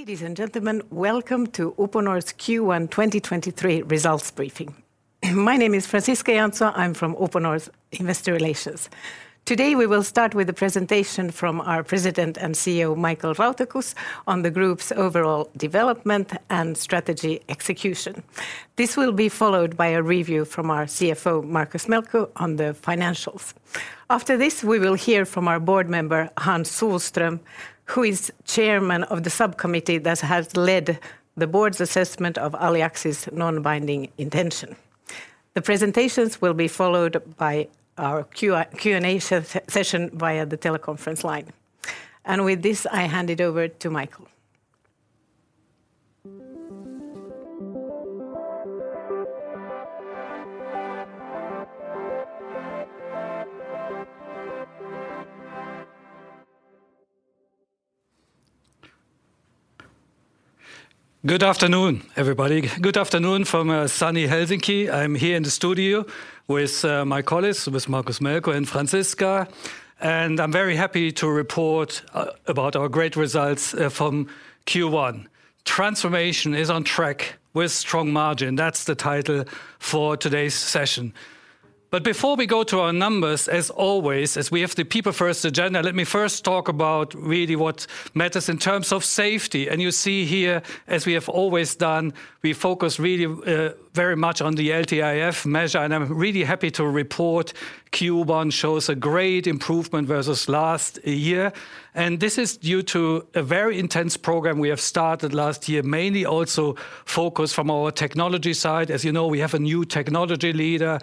Ladies and gentlemen, welcome to Uponor's Q1 2023 results briefing. My name is Franciska Janzon. I'm from Uponor's Investor Relations. Today, we will start with a presentation from our President and CEO, Michael Rauterkus, on the group's overall development and strategy execution. This will be followed by a review from our CFO, Markus Melkko, on the financials. After this, we will hear from our Board Member, Hans Sohlström, who is Chairman of the subcommittee that has led the board's assessment of Aliaxis's non-binding intention. The presentations will be followed by our Q&A session via the teleconference line. With this, I hand it over to Michael. Good afternoon, everybody. Good afternoon from sunny Helsinki. I'm here in the studio with my colleagues, with Markus Melkko and Franciska, and I'm very happy to report about our great results from Q1. Transformation is on track with strong margin. That's the title for today's session. Before we go to our numbers, as always, as we have the people-first agenda, let me first talk about really what matters in terms of safety. You see here, as we have always done, we focus really very much on the LTIF measure, and I'm really happy to report Q1 shows a great improvement versus last year. This is due to a very intense program we have started last year, mainly also focused from our technology side. As you know, we have a new technology leader,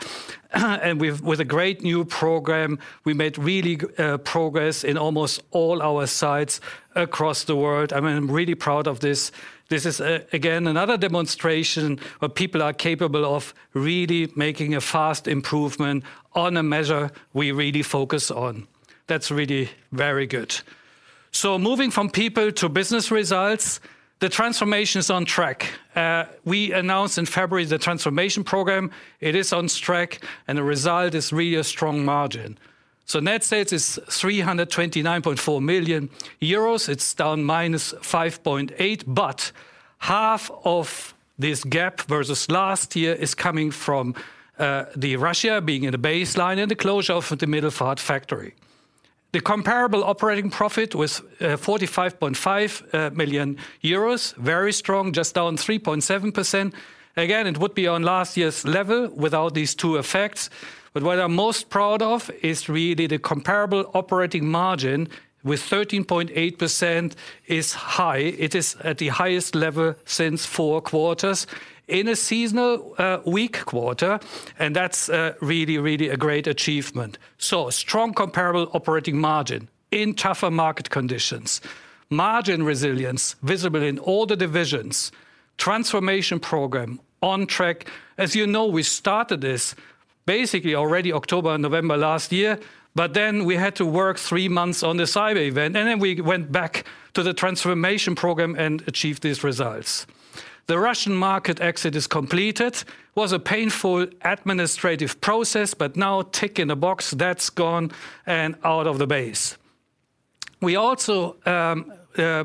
and with a great new program. We made really progress in almost all our sites across the world. I mean, I'm really proud of this. This is again, another demonstration of people are capable of really making a fast improvement on a measure we really focus on. That's really very good. Moving from people to business results, the transformation is on track. We announced in February the transformation program. It is on track, and the result is really a strong margin. Net sales is 329.4 million euros. It's down -5.8%, but half of this gap versus last year is coming from the Russia being in the baseline and the closure of the Middelfart factory. The comparable operating profit was 45.5 million euros, very strong, just down 3.7%. Again, it would be on last year's level without these two effects. What I'm most proud of is really the comparable operating margin with 13.8% is high. It is at the highest level since four quarters in a seasonal, weak quarter, and that's really a great achievement. A strong comparable operating margin in tougher market conditions. Margin resilience visible in all the divisions. Transformation program on track. As you know, we started this basically already October and November last year, but then we had to work three months on the cyber event, and then we went back to the transformation program and achieved these results. The Russian market exit is completed. Was a painful administrative process, but now tick in a box, that's gone and out of the base. We also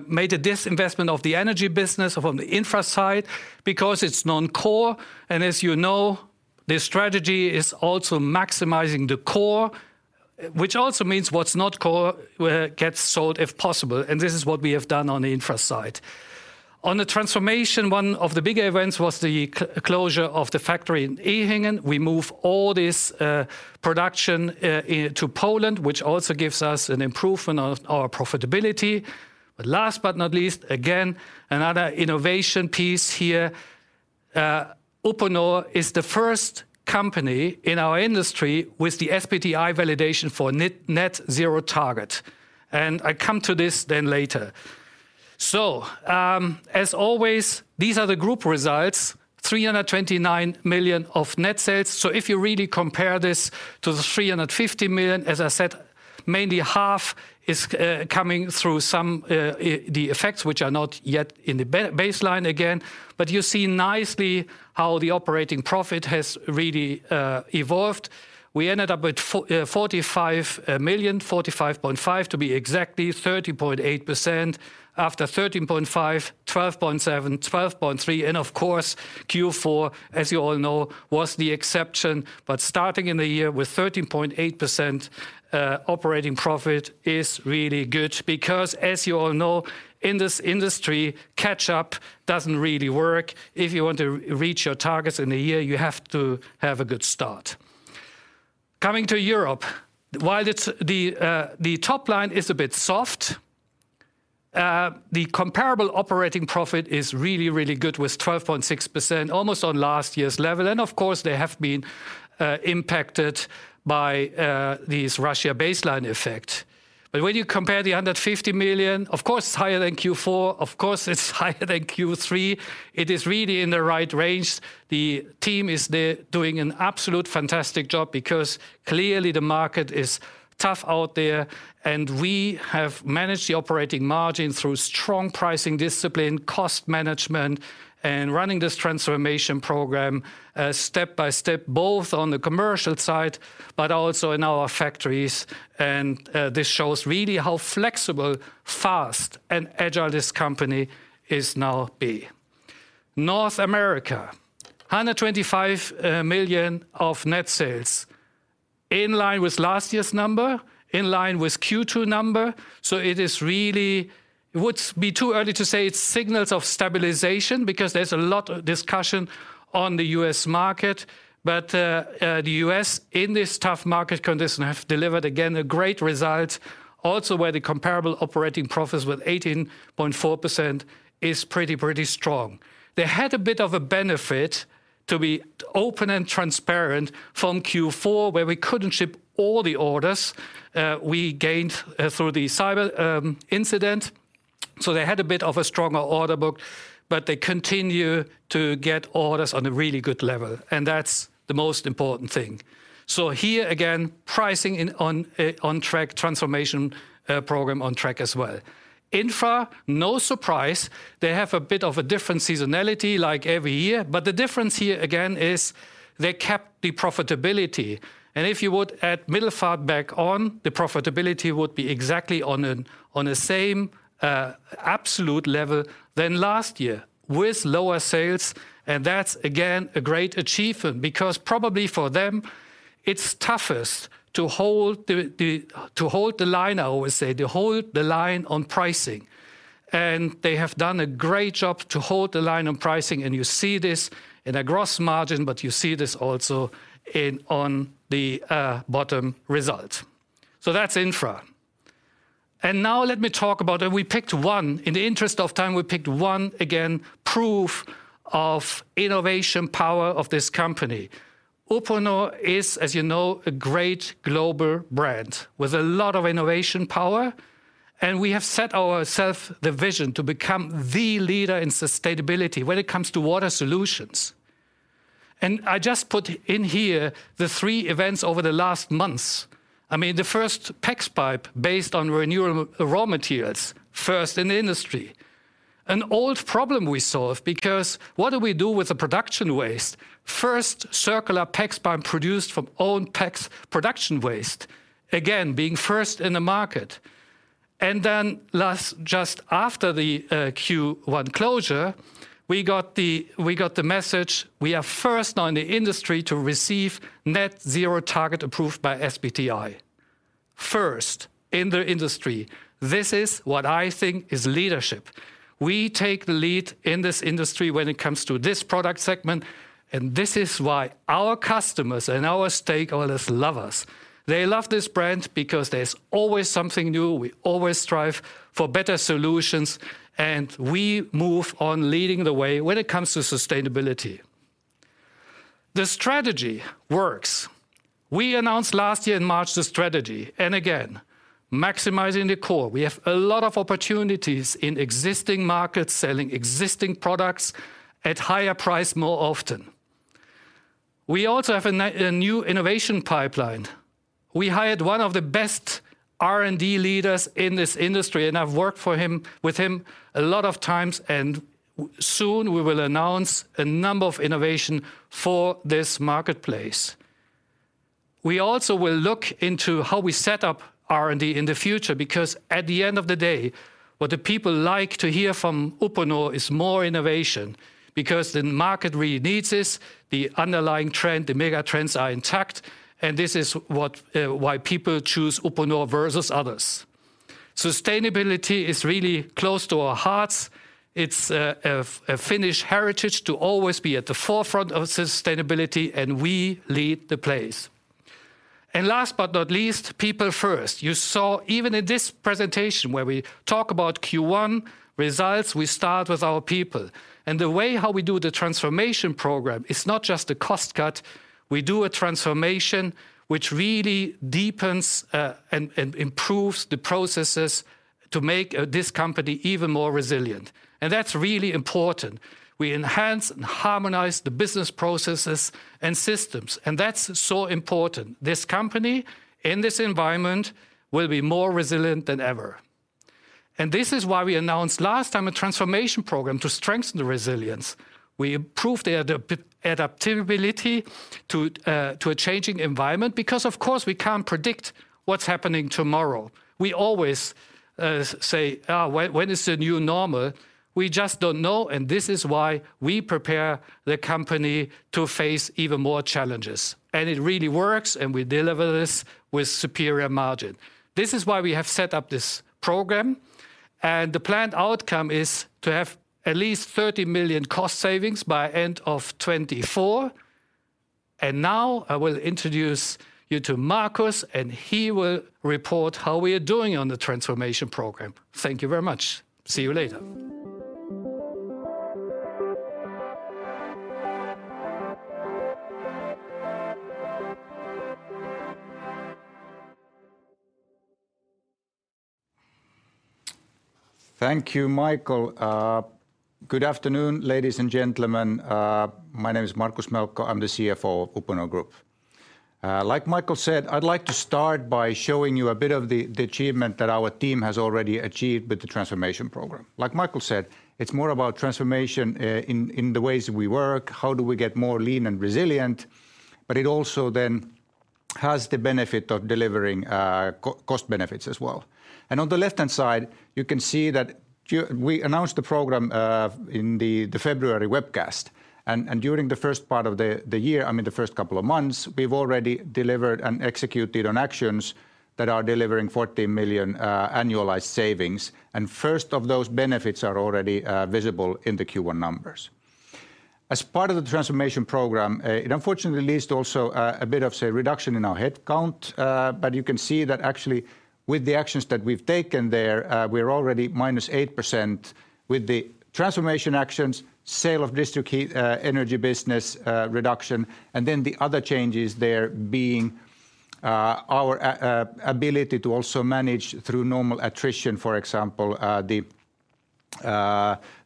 made a disinvestment of the energy business from the Infra site because it's non-core. As you know, this strategy is also Maximize the Core, which also means what's not core gets sold if possible, this is what we have done on the Infra site. On the transformation, one of the big events was the closure of the factory in Ehingen. We move all this production to Poland, which also gives us an improvement of our profitability. Last but not least, again, another innovation piece here. Uponor is the first company in our industry with the SBTi validation for net-zero target, I come to this then later. As always, these are the group results, 329 million of net sales. If you really compare this to 350 million, as I said, mainly half is coming through some the effects which are not yet in the baseline again. You see nicely how the operating profit has really evolved. We ended up with 45.5 to be exactly, 30.8%. After 13.5%, 12.7%, 12.3%, and of course Q4, as you all know, was the exception. Starting in the year with 13.8% operating profit is really good because, as you all know, in this industry, catch up doesn't really work. If you want to reach your targets in a year, you have to have a good start. Coming to Europe, while it's the top line is a bit soft, the comparable operating profit is really, really good with 12.6%, almost on last year's level. Of course, they have been impacted by this Russia baseline effect. When you compare the 150 million, of course it's higher than Q4, of course it's higher than Q3. It is really in the right range. The team is there doing an absolute fantastic job because clearly the market is tough out there and we have managed the operating margin through strong pricing discipline, cost management, and running this transformation program step by step, both on the commercial side, but also in our factories. This shows really how flexible, fast, and agile this company is now. North America, 125 million of net sales. In line with last year's number, in line with Q2 number, it would be too early to say it's signals of stabilization because there's a lot of discussion on the U.S. market. The U.S. in this tough market condition have delivered again a great result. Also, where the comparable operating profits with 18.4% is pretty strong. They had a bit of a benefit to be open and transparent from Q4 where we couldn't ship all the orders we gained through the cyber incident. They had a bit of a stronger order book, but they continue to get orders on a really good level, and that's the most important thing. Here again, pricing in, on track, transformation program on track as well. Infra, no surprise, they have a bit of a different seasonality like every year. The difference here again is they kept the profitability. If you would add Middle East back on, the profitability would be exactly on a, on the same absolute level than last year with lower sales. That's again a great achievement because probably for them it's toughest to hold the, to hold the line, I always say. To hold the line on pricing. They have done a great job to hold the line on pricing and you see this in a gross margin, but you see this also in, on the bottom result. That's Infra. Now let me talk about... We picked one, in the interest of time, we picked one again proof of innovation power of this company. Uponor is, as you know, a great global brand with a lot of innovation power. We have set ourselves the vision to become the leader in sustainability when it comes to water solutions. I just put in here the three events over the last months. I mean, the first PEX pipe based on renewable raw materials, first in the industry. An old problem we solved because what do we do with the production waste? First circular PEX pipe produced from own PEX production waste. Again, being first in the market. Then last, just after the Q1 closure, we got the message we are first now in the industry to receive net-zero target approved by SBTi. First in the industry. This is what I think is leadership. We take the lead in this industry when it comes to this product segment, and this is why our customers and our stakeholders love us. They love this brand because there's always something new, we always strive for better solutions, and we move on leading the way when it comes to sustainability. The strategy works. We announced last year in March the strategy. Again, Maximize the Core. We have a lot of opportunities in existing markets selling existing products at higher price more often. We also have a new innovation pipeline. We hired one of the best R&D leaders in this industry, and I've worked for him, with him a lot of times and soon we will announce a number of innovation for this marketplace. We also will look into how we set up R&D in the future because at the end of the day, what the people like to hear from Uponor is more innovation because the market really needs this, the underlying trend, the mega trends are intact, and this is what why people choose Uponor versus others. Sustainability is really close to our hearts. It's a Finnish heritage to always be at the forefront of sustainability, we lead the place. Last but not least, people first. You saw even in this presentation where we talk about Q1 results, we start with our people. The way how we do the transformation program, it's not just a cost cut, we do a transformation which really deepens and improves the processes to make this company even more resilient. That's really important. We enhance and harmonize the business processes and systems. That's so important. This company in this environment will be more resilient than ever. This is why we announced last time a transformation program to strengthen the resilience. We improve the adaptability to a changing environment because of course we can't predict what's happening tomorrow. We always say, "When, when is the new normal?" We just don't know, and this is why we prepare the company to face even more challenges. It really works, and we deliver this with superior margin. This is why we have set up this program, and the planned outcome is to have at least 30 million cost savings by end of 2024. Now I will introduce you to Markus, and he will report how we are doing on the transformation program. Thank you very much. See you later. Thank you, Michael. Good afternoon, ladies and gentlemen. My name is Markus Melkko. I'm the CFO of Uponor Group. Like Michael said, I'd like to start by showing you a bit of the achievement that our team has already achieved with the transformation program. Like Michael said, it's more about transformation in the ways we work, how do we get more lean and resilient, but it also then. Has the benefit of delivering, cost benefits as well. On the left-hand side, you can see that we announced the program in the February webcast. During the first part of the year, I mean, the first couple of months, we've already delivered and executed on actions that are delivering 14 million annualized savings, and first of those benefits are already visible in the Q1 numbers. As part of the transformation program, it unfortunately leads to also a bit of, say, reduction in our headcount. But you can see that actually with the actions that we've taken there, we're already -8% with the transformation actions, sale of District Energy business, reduction, and then the other changes there being our ability to also manage through normal attrition, for example, the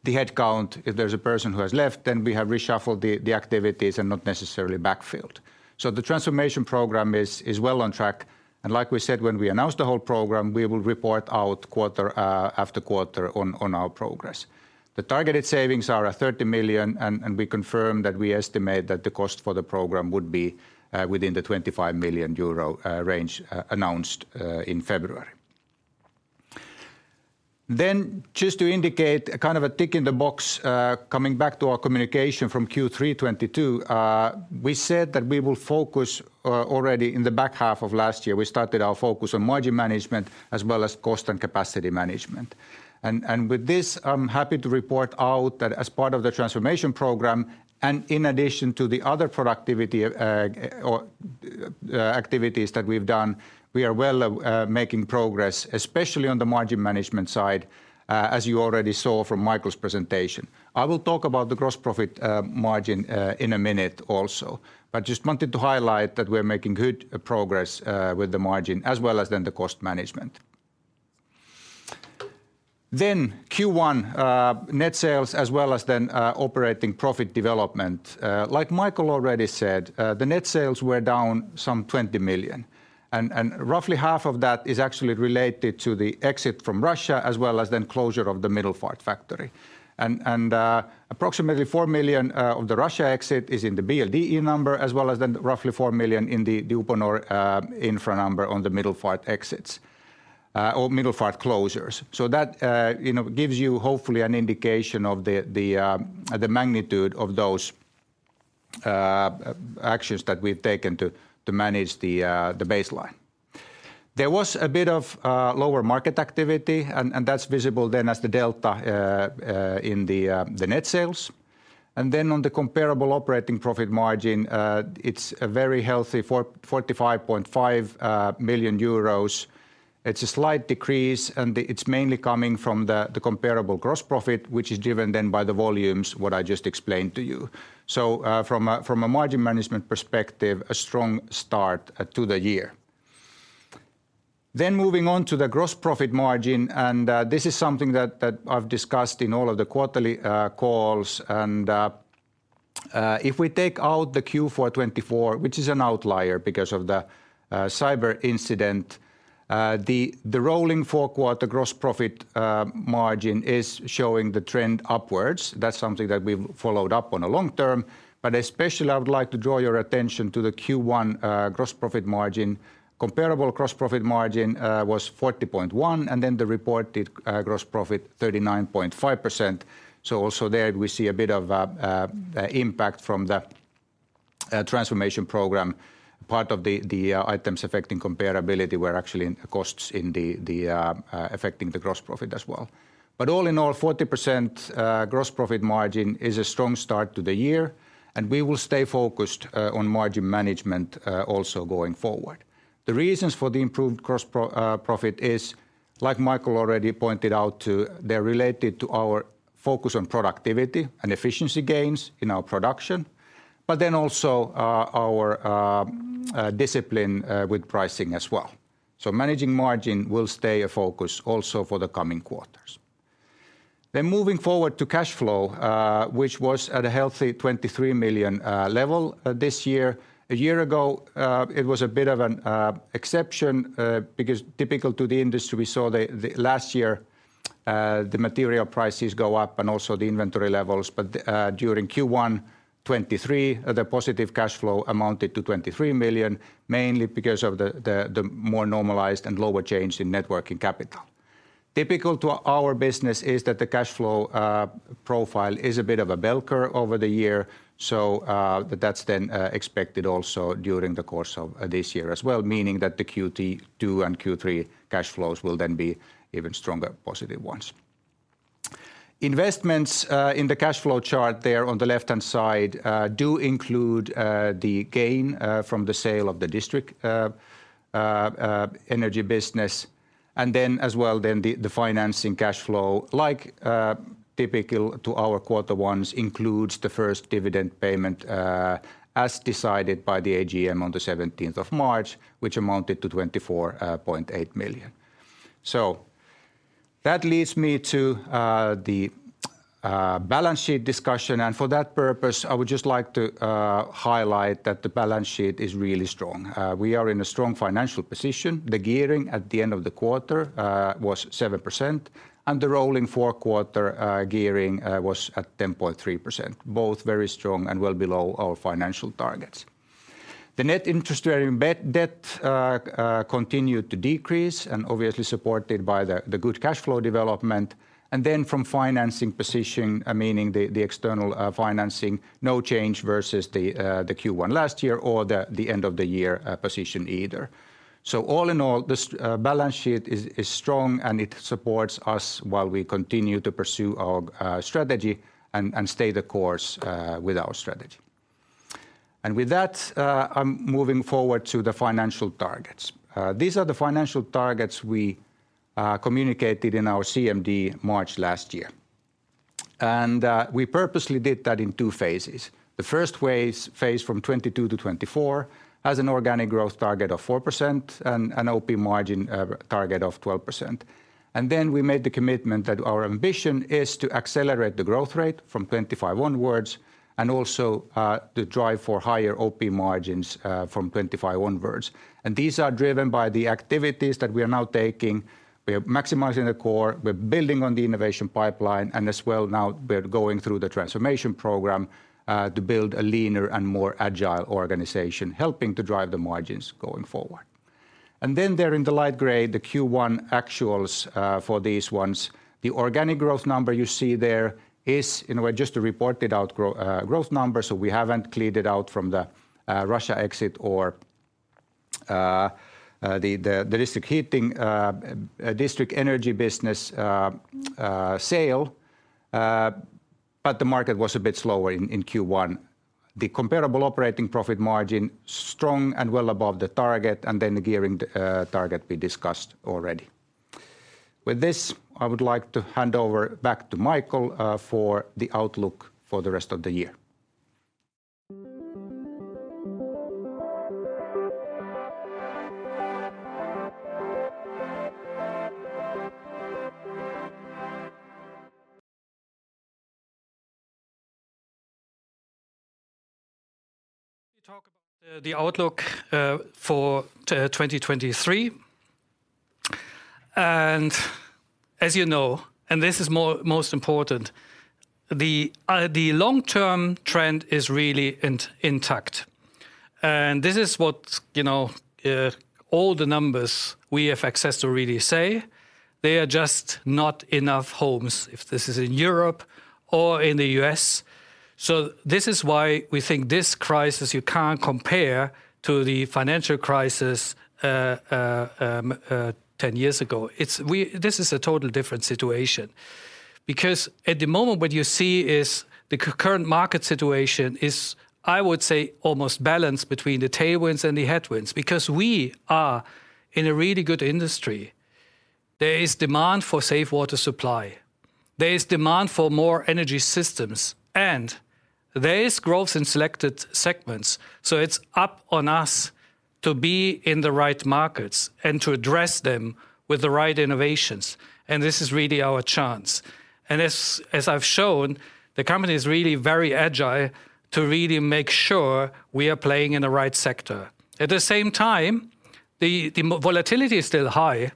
headcount. If there's a person who has left, then we have reshuffled the activities and not necessarily backfilled. The transformation program is well on track. Like we said when we announced the whole program, we will report out quarter after quarter on our progress. The targeted savings are 30 million, and we confirm that we estimate that the cost for the program would be within the 25 million euro range announced in February. Just to indicate a kind of a tick in the box, coming back to our communication from Q3 2022, we said that we will focus, already in the back half of last year, we started our focus on margin management as well as cost and capacity management. And with this, I'm happy to report out that as part of the transformation program and in addition to the other productivity or activities that we've done, we are well, making progress, especially on the margin management side, as you already saw from Michael's presentation. I will talk about the gross profit margin in a minute also. Just wanted to highlight that we're making good progress with the margin as well as then the cost management. Q1 net sales as well as then operating profit development. Like Michael already said, the net sales were down some 20 million. Roughly half of that is actually related to the exit from Russia as well as then closure of the Middelfart factory. Approximately 4 million of the Russia exit is in the BSE number as well as then roughly 4 million in the Uponor infra number on the Middelfart exits or Middelfart closures. That, you know, gives you hopefully an indication of the magnitude of those actions that we've taken to manage the baseline. There was a bit of lower market activity, and that's visible then as the delta in the net sales. On the comparable operating profit margin, it's a very healthy 45.5 million euros. It's a slight decrease, it's mainly coming from the comparable gross profit, which is driven then by the volumes, what I just explained to you. From a margin management perspective, a strong start to the year. Moving on to the gross profit margin, this is something that I've discussed in all of the quarterly calls. If we take out the Q4 2024, which is an outlier because of the cyber incident, the rolling four-quarter gross profit margin is showing the trend upwards. That's something that we've followed up on the long-term. Especially, I would like to draw your attention to the Q1 gross profit margin. Comparable gross profit margin was 40.1%, then the reported gross profit, 39.5%. Also there we see a bit of impact from the transformation program. Part of the items affecting comparability were actually costs in the affecting the gross profit as well. All in all, 40% gross profit margin is a strong start to the year, and we will stay focused on margin management also going forward. The reasons for the improved gross profit is, like Michael already pointed out to, they're related to our focus on productivity and efficiency gains in our production, but then also our discipline with pricing as well. Managing margin will stay a focus also for the coming quarters. Moving forward to cash flow, which was at a healthy 23 million level this year. A year ago, it was a bit of an exception, because typical to the industry, we saw the last year, the material prices go up and also the inventory levels. During Q1 2023, the positive cash flow amounted to 23 million, mainly because of the more normalized and lower change in net working capital. Typical to our business is that the cash flow profile is a bit of a bell curve over the year, that's then expected also during the course of this year as well, meaning that the Q2 and Q3 cash flows will then be even stronger positive ones. Investments, in the cash flow chart there on the left-hand side, do include the gain, from the sale of the District Energy business and then as well then the financing cash flow, like, typical to our quarter ones, includes the first dividend payment, as decided by the AGM on the 17th of March, which amounted to 24.8 million. That leads me to the balance sheet discussion. For that purpose, I would just like to highlight that the balance sheet is really strong. We are in a strong financial position. The gearing at the end of the quarter was 7%, and the rolling four-quarter gearing was at 10.3%, both very strong and well below our financial targets. The net interest-bearing debt continued to decrease and obviously supported by the good cash flow development. From financing position, meaning the external financing, no change versus the Q1 last year or the end of the year position either. All in all, the balance sheet is strong, and it supports us while we continue to pursue our strategy and stay the course with our strategy. With that, I'm moving forward to the financial targets. These are the financial targets we communicated in our CMD March last year. We purposely did that in two phases. The first phase from 2022 to 2024 has an organic growth target of 4% and an OP margin target of 12%. We made the commitment that our ambition is to accelerate the growth rate from 2025 onwards and also to drive for higher OP margins from 2025 onwards. These are driven by the activities that we are now taking. We are Maximizing the Core, we're building on the innovation pipeline, and as well now we're going through the transformation program to build a leaner and more agile organization, helping to drive the margins going forward. There in the light gray, the Q1 actuals for these ones. The organic growth number you see there is, in a way, just a reported growth number. We haven't cleared it out from the Russia exit or the District Energy business sale. The market was a bit slower in Q1. The comparable operating profit margin, strong and well above the target. Then the gearing target we discussed already. With this, I would like to hand over back to Michael for the outlook for the rest of the year. You talk about the outlook for 2023. As you know, and this is most important, the long-term trend is really intact. This is what, you know, all the numbers we have access to really say. There are just not enough homes, if this is in Europe or in the U.S. This is why we think this crisis you can't compare to the financial crisis 10 years ago. It's this is a total different situation. At the moment what you see is the current market situation is, I would say, almost balanced between the tailwinds and the headwinds because we are in a really good industry. There is demand for safe water supply, there is demand for more energy systems, and there is growth in selected segments. It's up on us to be in the right markets and to address them with the right innovations, and this is really our chance. As I've shown, the company is really very agile to really make sure we are playing in the right sector. At the same time, the volatility is still high,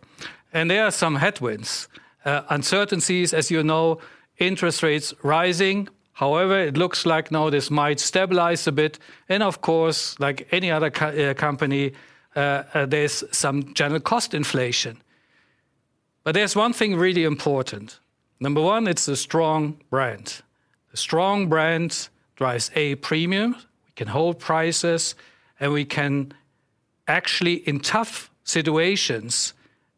and there are some headwinds. Uncertainties, as you know, interest rates rising. However, it looks like now this might stabilize a bit. Of course, like any other company, there's some general cost inflation. There's one thing really important. Number one, it's a strong brand. A strong brand drives, A, premium, we can hold prices, and we can actually in tough situations,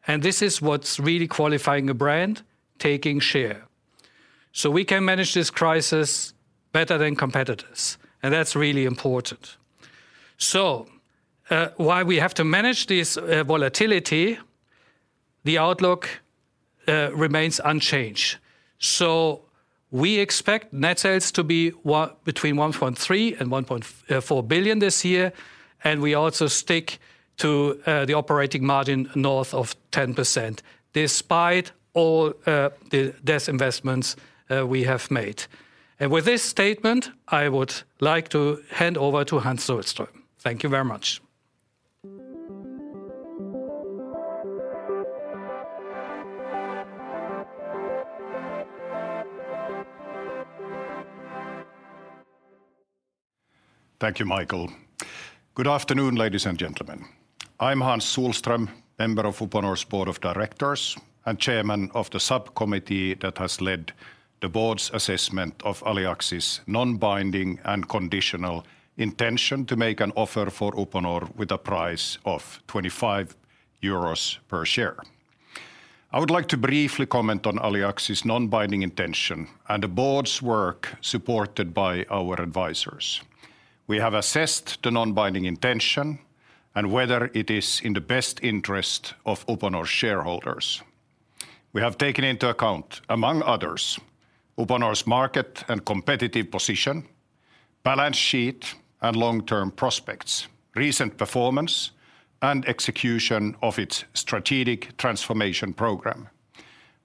and this is what's really qualifying a brand, taking share. We can manage this crisis better than competitors, and that's really important. While we have to manage this volatility, the outlook remains unchanged. We expect net sales to be between 1.3 billion and 1.4 billion this year, and we also stick to the operating margin north of 10% despite all these investments we have made. With this statement, I would like to hand over to Hans Sohlström. Thank you very much. Thank you, Michael. Good afternoon, ladies and gentlemen. I'm Hans Sohlström, member of Uponor's Board of Directors and chairman of the subcommittee that has led the board's assessment of Aliaxis' non-binding and conditional intention to make an offer for Uponor with a price of 25 euros per share. I would like to briefly comment on Aliaxis' non-binding intention and the board's work supported by our advisors. We have assessed the non-binding intention and whether it is in the best interest of Uponor's shareholders. We have taken into account, among others, Uponor's market and competitive position, balance sheet, and long-term prospects, recent performance, and execution of its strategic transformation program.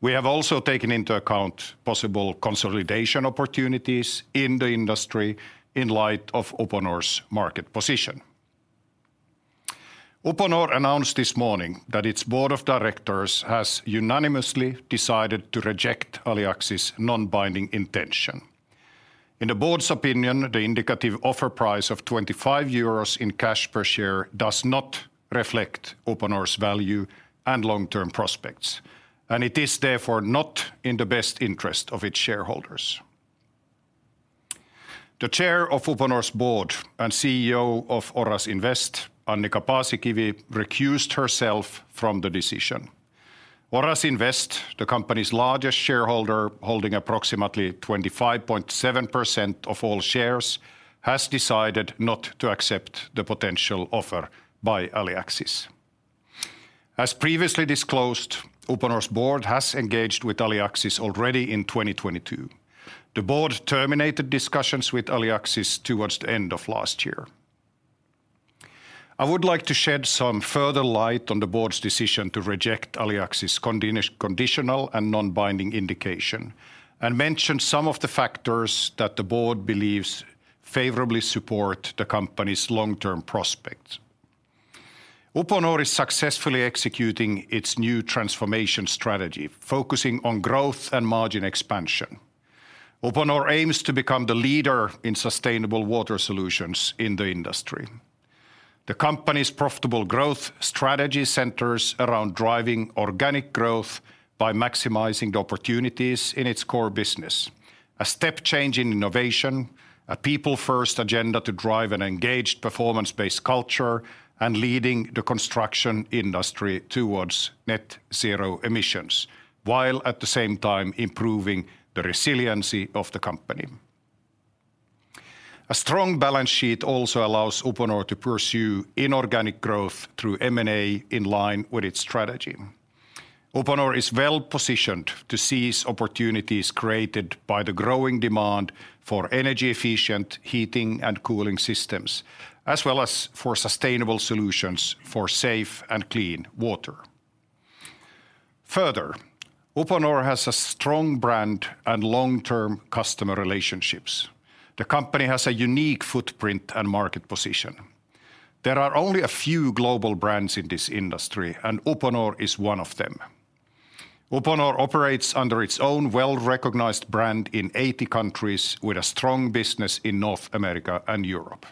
We have also taken into account possible consolidation opportunities in the industry in light of Uponor's market position. Uponor announced this morning that its Board of Directors has unanimously decided to reject Aliaxis' non-binding intention. In the board's opinion, the indicative offer price of 25 euros in cash per share does not reflect Uponor's value and long-term prospects, and it is therefore not in the best interest of its shareholders. The Chair of Uponor's board and CEO of Oras Invest, Annika Paasikivi, recused herself from the decision. Oras Invest, the company's largest shareholder, holding approximately 25.7% of all shares, has decided not to accept the potential offer by Aliaxis. As previously disclosed, Uponor's board has engaged with Aliaxis already in 2022. The board terminated discussions with Aliaxis towards the end of last year. I would like to shed some further light on the board's decision to reject Aliaxis' conditional and non-binding indication and mention some of the factors that the board believes favorably support the company's long-term prospects. Uponor is successfully executing its new transformation strategy, focusing on growth and margin expansion. Uponor aims to become the leader in sustainable water solutions in the industry. The company's profitable growth strategy centers around driving organic growth by maximizing the opportunities in its core business, a step change in innovation, a people-first agenda to drive an engaged performance-based culture, and leading the construction industry towards net zero emissions while at the same time improving the resiliency of the company. A strong balance sheet also allows Uponor to pursue inorganic growth through M&A in line with its strategy. Uponor is well-positioned to seize opportunities created by the growing demand for energy-efficient heating and cooling systems, as well as for sustainable solutions for safe-and-clean water. Further, Uponor has a strong brand and long-term customer relationships. The company has a unique footprint and market position. There are only a few global brands in this industry, and Uponor is one of them. Uponor operates under its own well-recognized brand in 80 countries with a strong business in North America and Europe.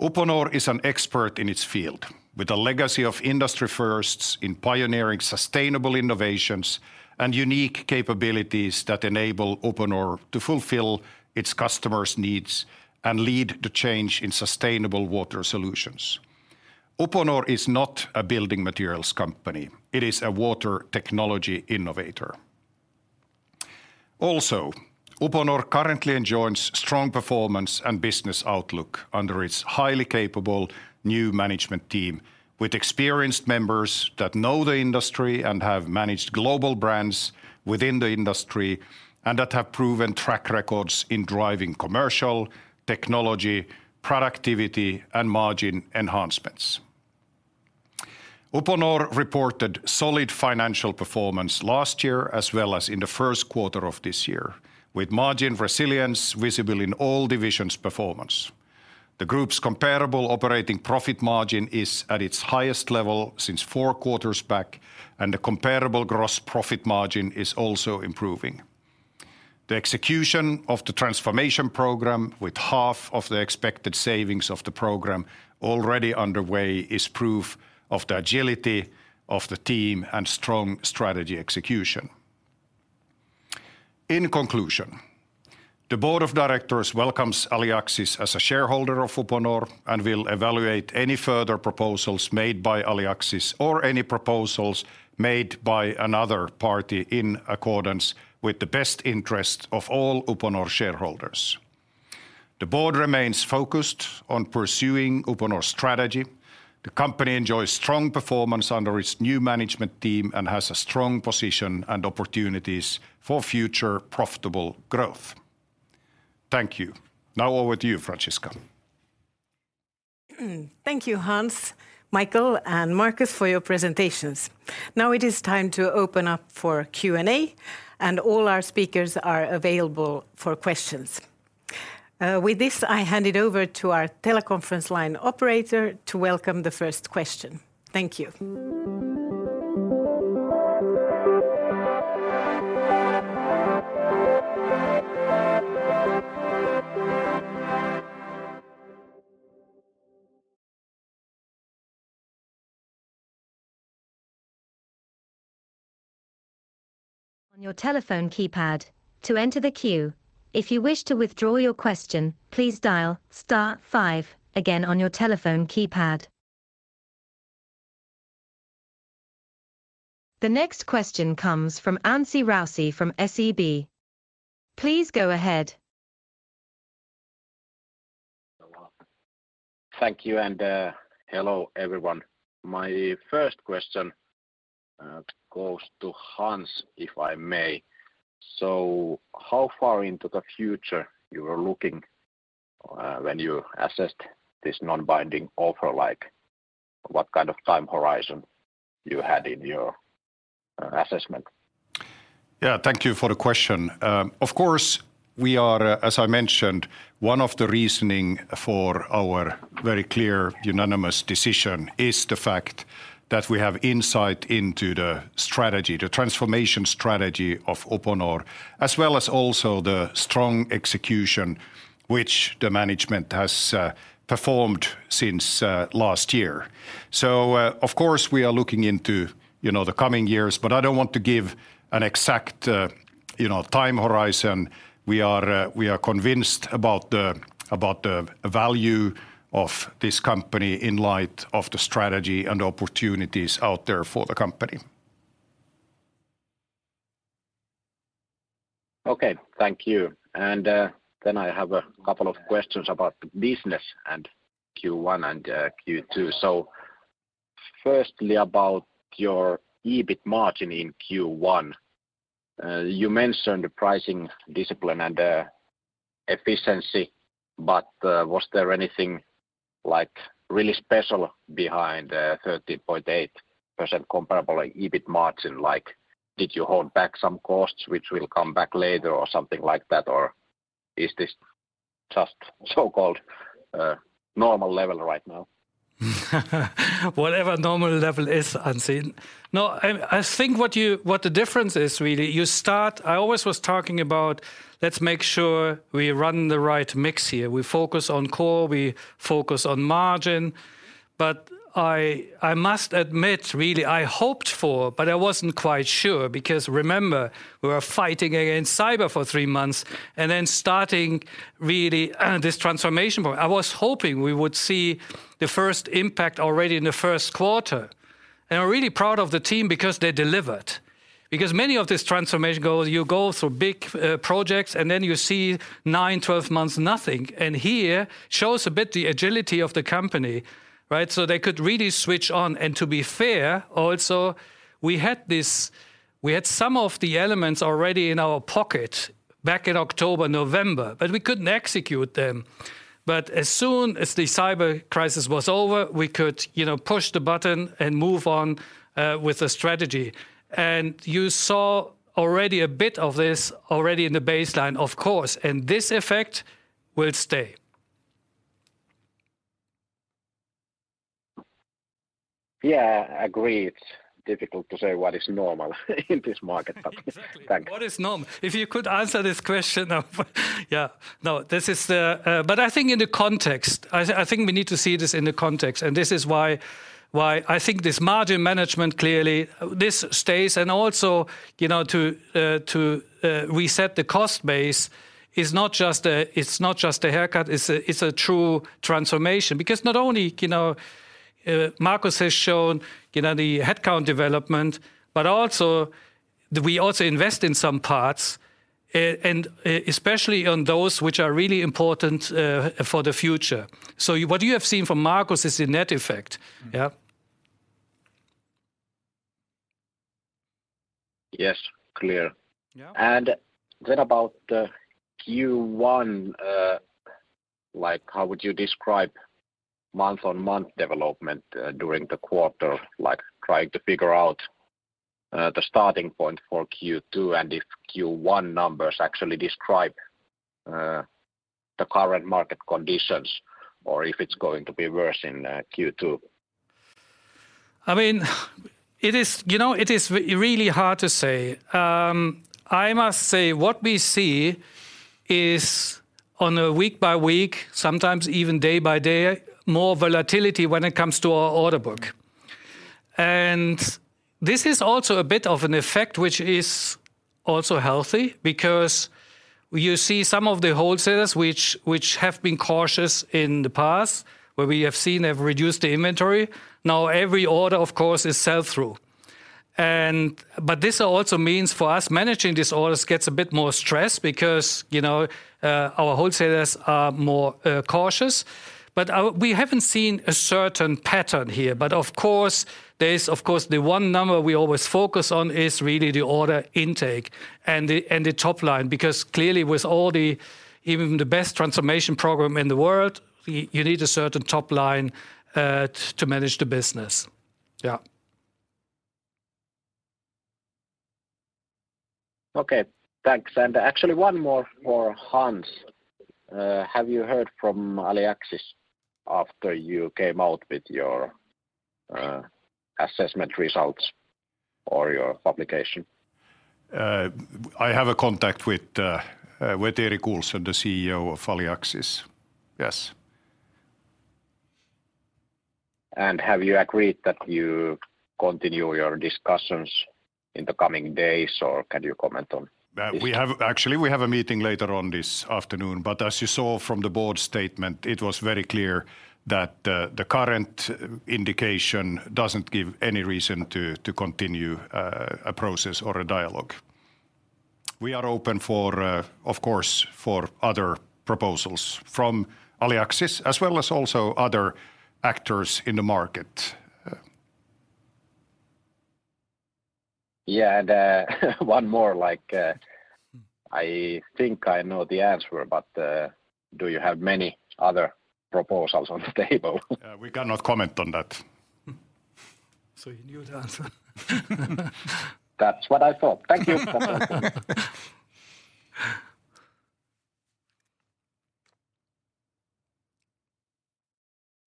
Uponor is an expert in its field with a legacy of industry firsts in pioneering sustainable innovations and unique capabilities that enable Uponor to fulfill its customers' needs and lead the change in sustainable water solutions. Uponor is not a building materials company, it is a water technology innovator. Uponor currently enjoys strong performance and business outlook under its highly capable new management team with experienced members that know the industry and have managed global brands within the industry and that have proven track tracks in driving commercial, technology, productivity, and margin enhancements. Uponor reported solid financial performance last year as well as in the first quarter of this year with margin resilience visible in all divisions' performance. The group's comparable operating profit margin is at its highest level since four quarters back, and the comparable gross profit margin is also improving. The execution of the transformation program with half of the expected savings of the program already underway is proof of the agility of the team and strong strategy execution. In conclusion, the Board of Directors welcomes Aliaxis as a shareholder of Uponor and will evaluate any further proposals made by Aliaxis or any proposals made by another party in accordance with the best interest of all Uponor shareholders. The Board remains focused on pursuing Uponor's strategy. The company enjoys strong performance under its new management team and has a strong position and opportunities for future profitable growth. Thank you. Now over to you, Franciska. Thank you, Hans, Michael, and Markus for your presentations. Now it is time to open up for Q&A. All our speakers are available for questions. With this, I hand it over to our teleconference line operator to welcome the first question. Thank you. On your telephone keypad to enter the queue. If you wish to withdraw your question, please dial star five again on your telephone keypad. The next question comes from Anssi Raussi from SEB. Please go ahead. Thank you, hello, everyone. My first question goes to Hans, if I may. How far into the future you are looking when you assessed this non-binding offer, like what kind of time horizon you had in your assessment? Yeah, thank you for the question. Of course, we are, as I mentioned, one of the reasoning for our very clear unanimous decision is the fact that we have insight into the strategy, the transformation strategy of Uponor, as well as also the strong execution which the management has performed since last year. Of course, we are looking into, you know, the coming years. I don't want to give an exact, you know, time horizon. We are convinced about the value of this company in light of the strategy and opportunities out there for the company. Okay. Thank you. Then I have a couple of questions about the business and Q1 and Q2. Firstly, about your EBIT margin in Q1. You mentioned the pricing discipline and efficiency, but was there anything like really special behind the 13.8% comparable, like, EBIT margin? Like, did you hold back some costs which will come back later or something like that? Or is this just so-called, normal level right now? Whatever normal level is, Anssi. I think what the difference is really, I always was talking about, let's make sure we run the right mix here. We focus on core, we focus on margin. I must admit, really, I hoped for, but I wasn't quite sure because remember, we were fighting against cyber for three months and then starting really this transformation point. I was hoping we would see the first impact already in the first quarter. I'm really proud of the team because they delivered. Many of these transformation goals, you go through big projects and then you see nine, 12 months nothing. Here shows a bit the agility of the company, right? They could really switch on. To be fair also, we had this... We had some of the elements already in our pocket back in October, November, but we couldn't execute them. As soon as the cyber crisis was over, we could, you know, push the button and move on with the strategy. You saw already a bit of this already in the baseline, of course, and this effect will stay. Yeah. Agreed. Difficult to say what is normal in this market. Exactly. Thanks. What is normal? If you could answer this question, yeah. No, this is the. I think in the context, I think we need to see this in the context, and this is why I think this margin management, clearly this stays. Also, you know, to reset the cost base is not just a haircut, it's a true transformation. Not only, you know, Markus has shown, you know, the headcount development, but also, we also invest in some parts, and especially on those which are really important for the future. What you have seen from Markus is the net effect. Yeah. Yes. Clear. Yeah. Then about the Q1, like, how would you describe month-on-month development during the quarter? Like, trying to figure out the starting point for Q2 and if Q1 numbers actually describe the current market conditions or if it's going to be worse in Q2. I mean, it is, you know, it is really hard to say. I must say what we see is on a week-by-week, sometimes even day-by-day, more volatility when it comes to our order book. This is also a bit of an effect which is also healthy because you see some of the wholesalers which have been cautious in the past, where we have seen they've reduced the inventory. Now every order, of course, is sell-through. This also means for us managing these orders gets a bit more stress because, you know, our wholesalers are more cautious. We haven't seen a certain pattern here. Of course, there is. Of course, the one number we always focus on is really the order intake and the top line. Clearly with all the. Even the best transformation program in the world, you need a certain top line to manage the business. Yeah. Okay. Thanks. Actually one more for Hans. Have you heard from Aliaxis after you came out with your assessment results or your publication? I have a contact with Eric Olsen, the CEO of Aliaxis. Yes. Have you agreed that you continue your discussions in the coming days, or can you comment on this? Actually, we have a meeting later on this afternoon. As you saw from the board statement, it was very clear that the current indication doesn't give any reason to continue a process or a dialogue. We are open for of course, for other proposals from Aliaxis as well as also other actors in the market. Yeah. one more, like. I think I know the answer, but, do you have many other proposals on the table? Yeah, we cannot comment on that. You knew the answer. That's what I thought. Thank you.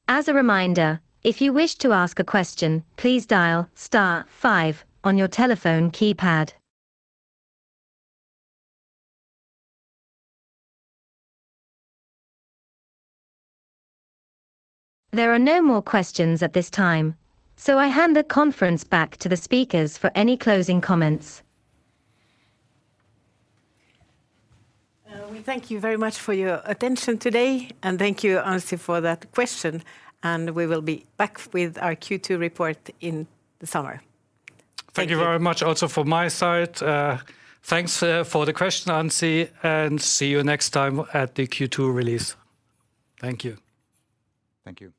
As a reminder, if you wish to ask a question, please dial star five on your telephone keypad. There are no more questions at this time, so I hand the conference back to the speakers for any closing comments. We thank you very much for your attention today. Thank you Anssi for that question. We will be back with our Q2 report in the summer. Thank you. Thank you very much also from my side. thanks for the question, Anssi, and see you next time at the Q2 release. Thank you. Thank you.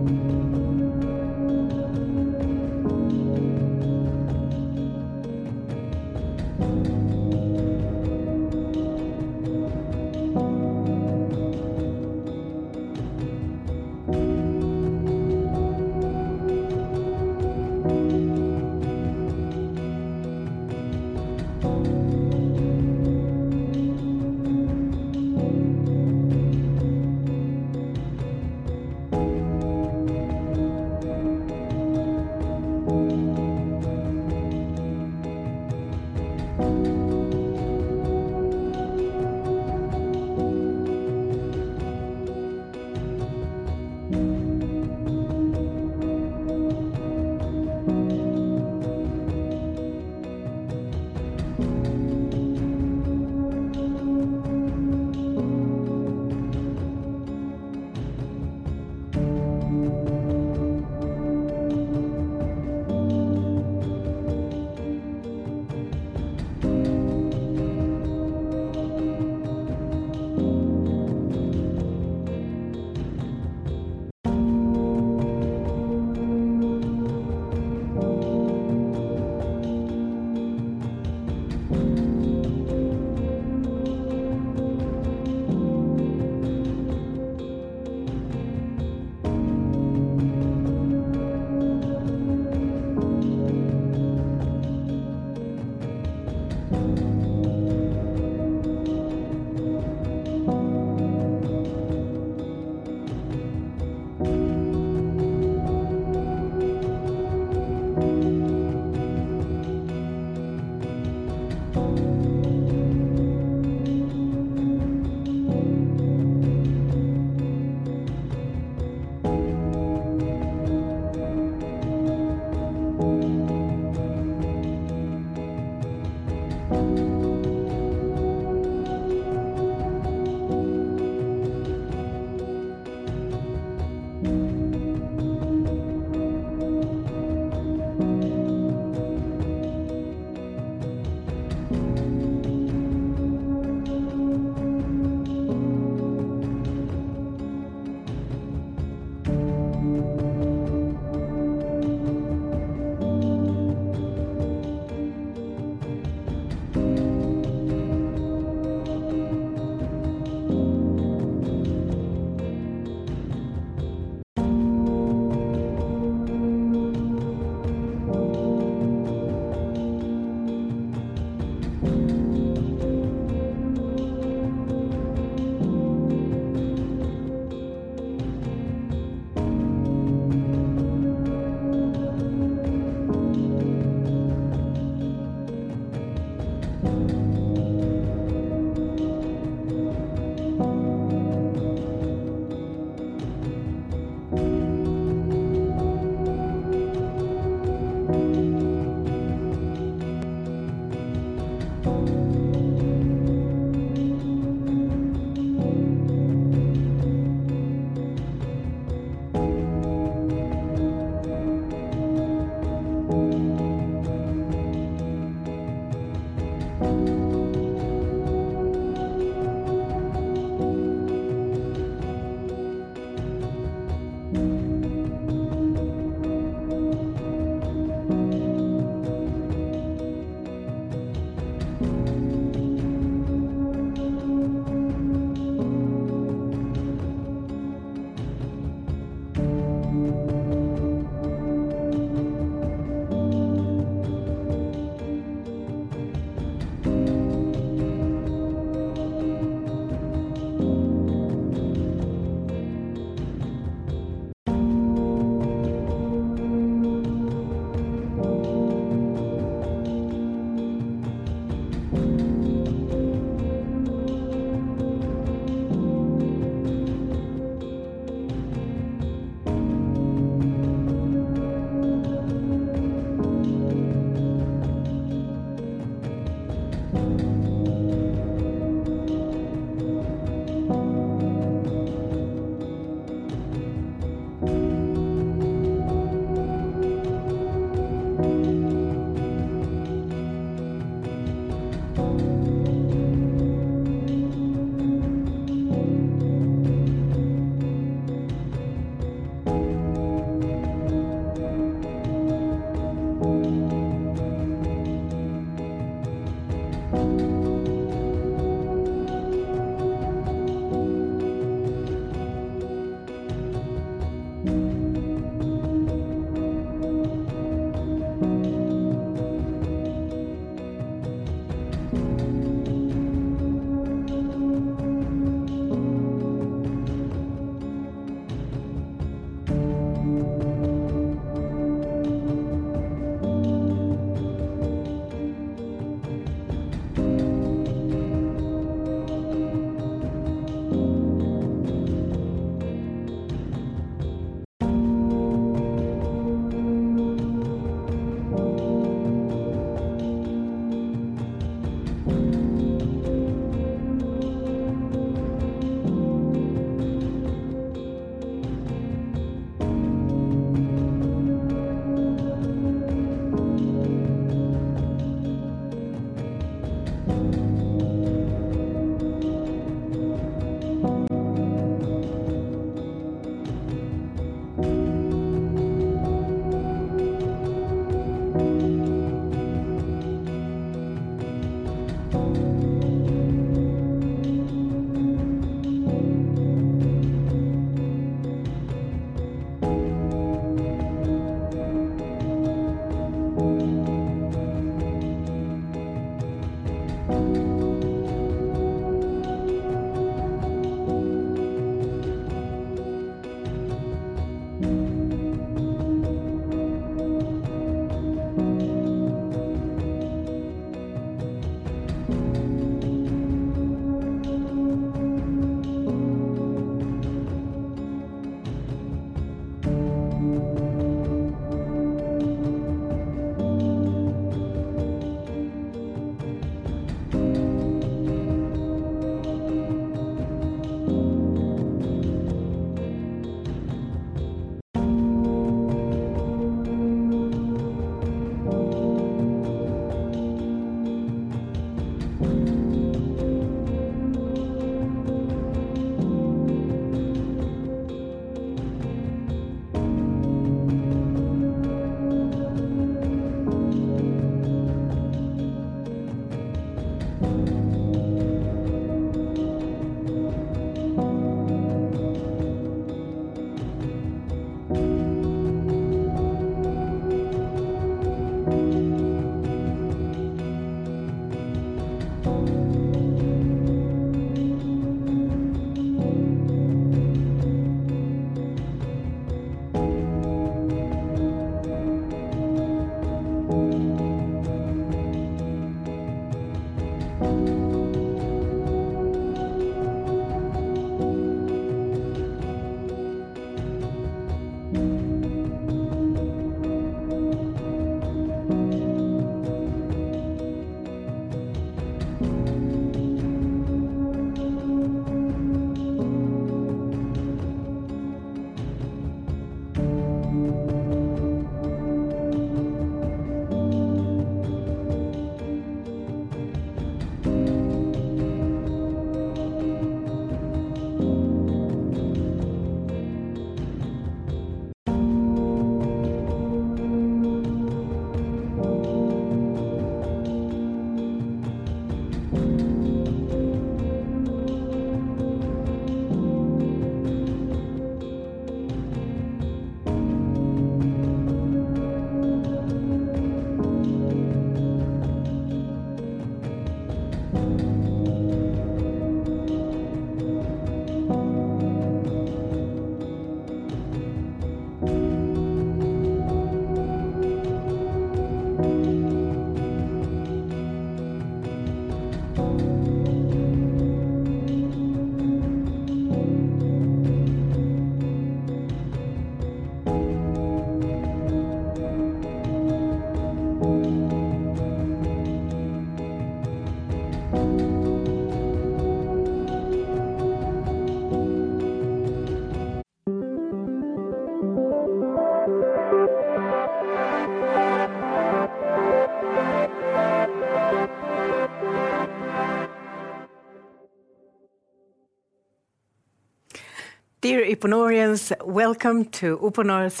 Thank you. Dear Uponorians, welcome to Uponor's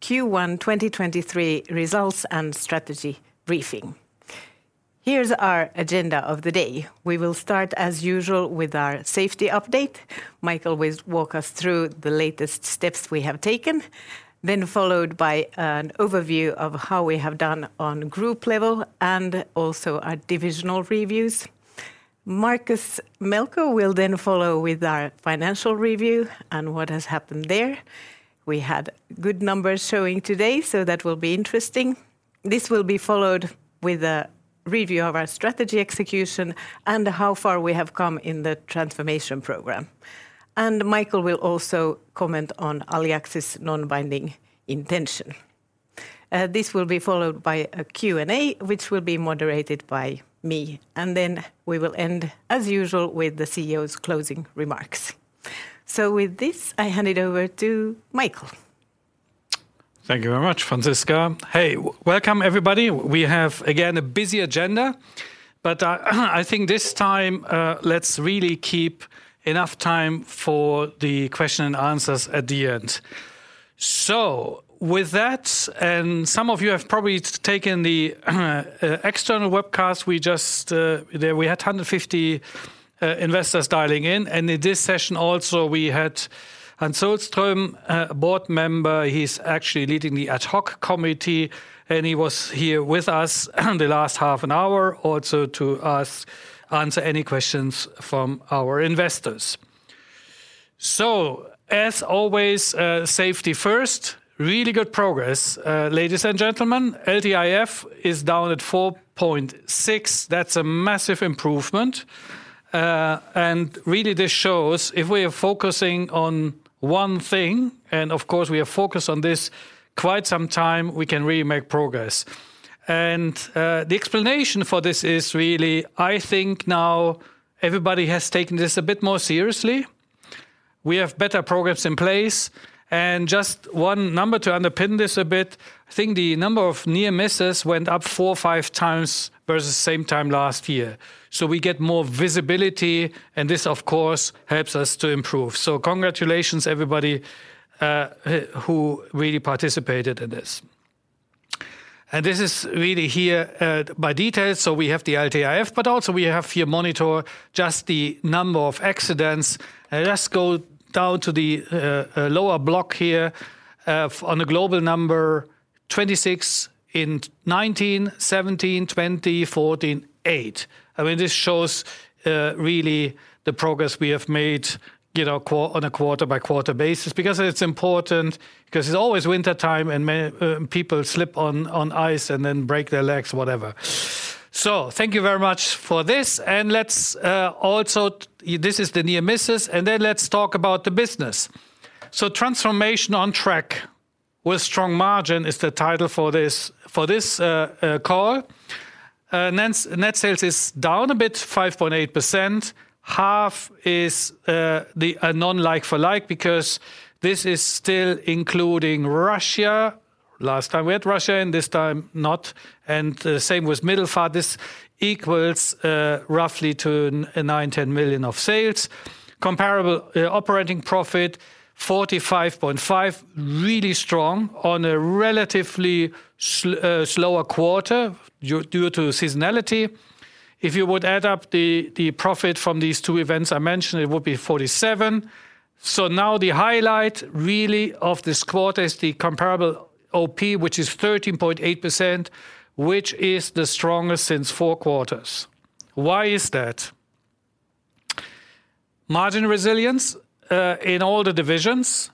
Q1 2023 results and strategy briefing. Here's our agenda of the day. We will start, as usual, with our safety update. Michael will walk us through the latest steps we have taken. Followed by an overview of how we have done on group level and also our divisional reviews. Markus Melkko will then follow with our financial review and what has happened there. We had good numbers showing today, so that will be interesting. This will be followed with a review of our strategy execution and how far we have come in the transformation program. Michael will also comment on Aliaxis' non-binding intention. This will be followed by a Q&A which will be moderated by me. Then we will end, as usual, with the CEO's closing remarks. With this, I hand it over to Michael. Thank you very much, Franciska. Hey, welcome, everybody. We have, again, a busy agenda. I think this time, let's really keep enough time for the question and answers at the end. With that, some of you have probably taken the external webcast. We just, there we had 150 investors dialing in, and in this session also we had Hans Sohlström, a board member. He's actually leading the Ad Hoc Committee, and he was here with us the last half an hour also to answer any questions from our investors. As always, safety first, really good progress. Ladies and gentlemen, LTIF is down at 4.6. That's a massive improvement. Really this shows if we are focusing on one thing, and of course we are focused on this quite some time, we can really make progress. The explanation for this is really, I think now everybody has taken this a bit more seriously. We have better programs in place. Just one number to underpin this a bit, I think the number of near misses went up four or five times versus same time last year. We get more visibility, and this, of course, helps us to improve. Congratulations everybody, who really participated in this. This is really here by details. We have the LTIF, but also we have here monitor just the number of accidents. Let's go down to the lower block here on the global number 26 in 19 17 20 14 8. I mean, this shows really the progress we have made, you know, on a quarter-by-quarter basis because it's important, because it's always wintertime and people slip on ice and then break their legs, whatever. Thank you very much for this. Let's also this is the near misses, and then let's talk about the business. Transformation on Track with Strong Margin is the title for this call. Net sales is down a bit, 5.8%. Half is the non-like-for-like because this is still including Russia. Last time we had Russia, and this time not, and the same with Middle East. This equals roughly to 9-10 million of sales. Comparable operating profit, 45.5 million. Really strong on a relatively slower quarter due to seasonality. If you would add up the profit from these two events I mentioned, it would be 47. Now the highlight really of this quarter is the comparable OP, which is 13.8%, which is the strongest since four quarters. Why is that? Margin resilience in all the divisions.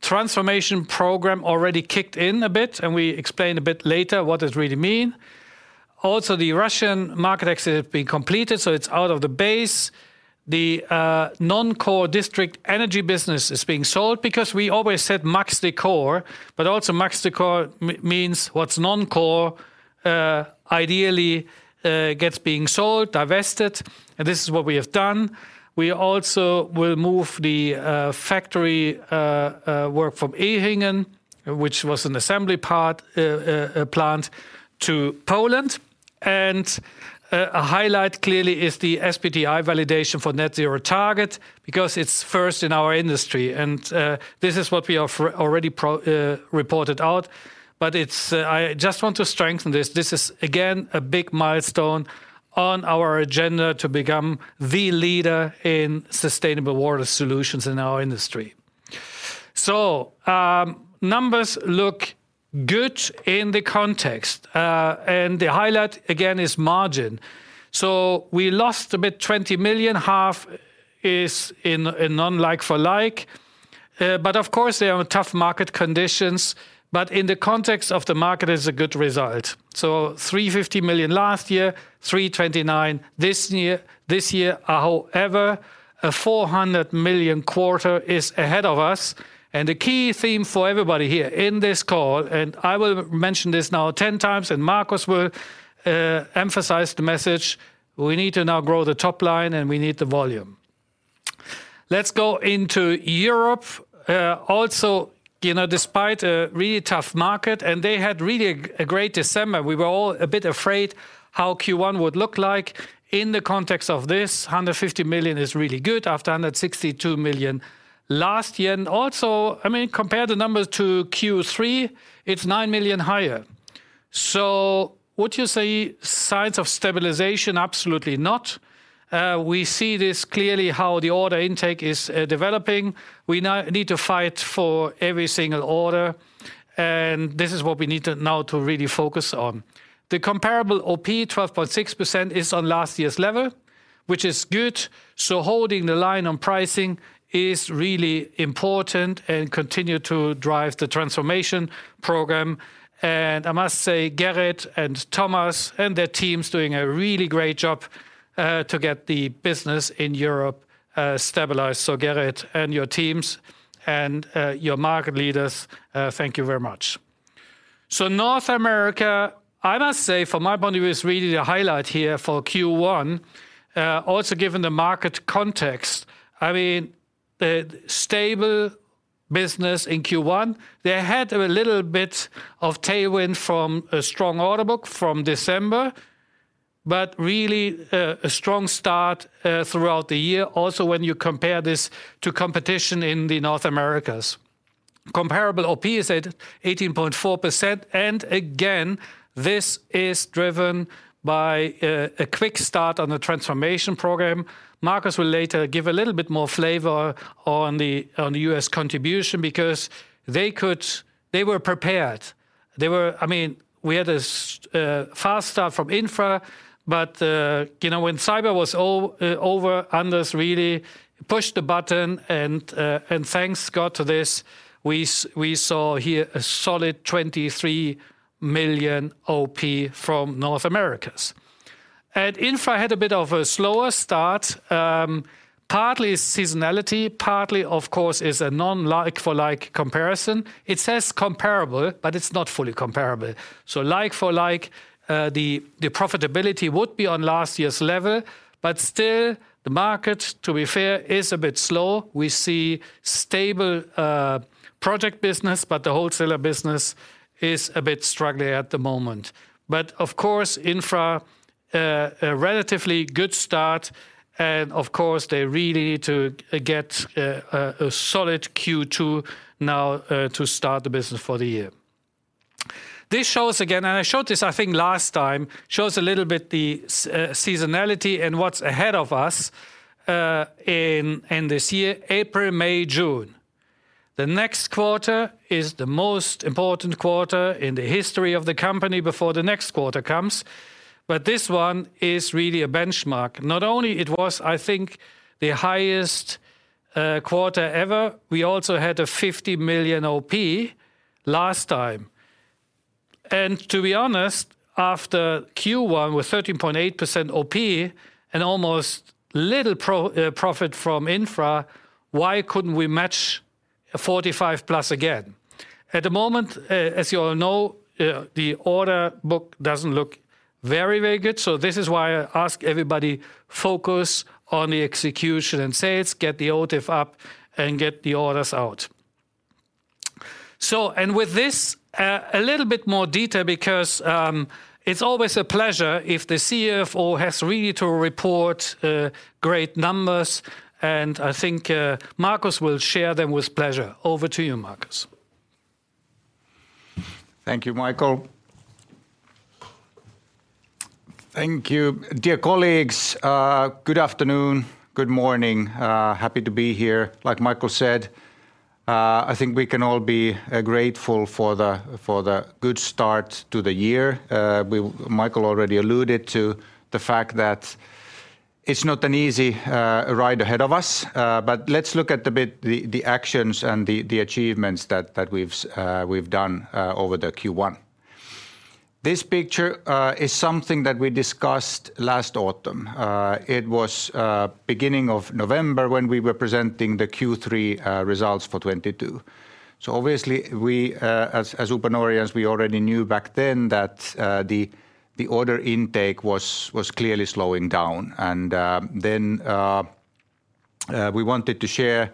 Transformation program already kicked in a bit, and we explain a bit later what it really mean. The Russian market exit has been completed, so it's out of the base. The non-core District Energy business is being sold because we always said Max the Core, but also Max the Core means what's non-core, ideally, gets being sold, divested, and this is what we have done. We also will move the factory work from Ehingen, which was an assembly part plant, to Poland. A highlight clearly is the SBTi validation for net-zero target because it's first in our industry. This is what we have already reported out. I just want to strengthen this. This is again, a big milestone on our agenda to become the leader in sustainable water solutions in our industry. Numbers look good in the context, and the highlight again is margin. We lost a bit, 20 million. Half is in a non-like-for-like. Of course, there are tough market conditions, but in the context of the market it is a good result. 350 million last year, 329 million this year. However, a 400 million quarter is ahead of us. The key theme for everybody here in this call, and I will mention this now 10 times and Markus will emphasize the message, we need to now grow the top line and we need the volume. Let's go into Europe. Also, you know, despite a really tough market and they had really a great December. We were all a bit afraid how Q1 would look like. In the context of this, 150 million is really good after 162 million last year. Also, I mean, compare the numbers to Q3, it's 9 million higher. Would you say signs of stabilization? Absolutely not. We see this clearly how the order intake is developing. We now need to fight for every single order. This is what we need to now to really focus on. The comparable OP, 12.6%, is on last year's level, which is good. Holding the line on pricing is really important and continue to drive the transformation program. I must say, Gerrit and Thomas and their teams doing a really great job to get the business in Europe stabilized. Gerrit and your teams and your market leaders, thank you very much. North America, I must say from my point of view is really the highlight here for Q1. Also given the market context. I mean, stable business in Q1. They had a little bit of tailwind from a strong order book from December, but really a strong start throughout the year, also when you compare this to competition in the North Americas. Comparable OP is at 18.4%. Again, this is driven by a quick start on the transformation program. Markus will later give a little bit more flavor on the U.S. contribution because they could. They were prepared. I mean, we had a fast start from Infra, but, you know, when cyber was over, Anders really pushed the button and thanks God to this, we saw here a solid 23 million OP from North Americas. Infra had a bit of a slower start, partly seasonality, partly of course is a non-like-for-like comparison. It says comparable, but it's not fully comparable. Like-for-like, the profitability would be on last year's level, but still the market, to be fair, is a bit slow. We see stable project business, but the wholesaler business is a bit struggling at the moment. Of course, Infra, a relatively good start and of course they really need to get a solid Q2 now, to start the business for the year. This shows again, and I showed this I think last time, shows a little bit the seasonality and what's ahead of us, in this year, April, May, June. The next quarter is the most important quarter in the history of the company before the next quarter comes, but this one is really a benchmark. Not only it was, I think, the highest quarter ever, we also had a 50 million OP last time. To be honest, after Q1 with 13.8% OP and almost little profit from Infra, why couldn't we match 45 plus again? At the moment, as you all know, the order book doesn't look very, very good. This is why I ask everybody, focus on the execution and sales, get the OTIF up and get the orders out. With this, a little bit more detail because it's always a pleasure if the CFO has really to report great numbers, and I think Markus will share them with pleasure. Over to you, Markus. Thank you, Michael. Thank you. Dear colleagues, good afternoon, good morning. Happy to be here. Like Michael said, I think we can all be grateful for the good start to the year. Michael already alluded to the fact that it's not an easy ride ahead of us, but let's look at a bit the actions and the achievements that we've done over the Q1. This picture is something that we discussed last autumn. It was beginning of November when we were presenting the Q3 results for 2022. Obviously we, as Uponorians, we already knew back then that the order intake was clearly slowing down. Then we wanted to share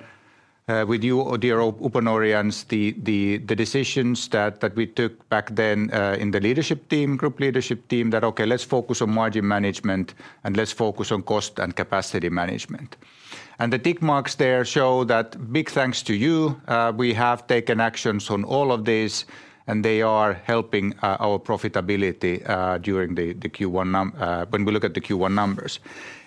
with you, dear Uponorians, the decisions that we took back then in the leadership team, group leadership team, that, okay, let's focus on margin management and let's focus on cost and capacity management. The tick marks there show that big thanks to you, we have taken actions on all of these, and they are helping our profitability when we look at the Q1 numbers.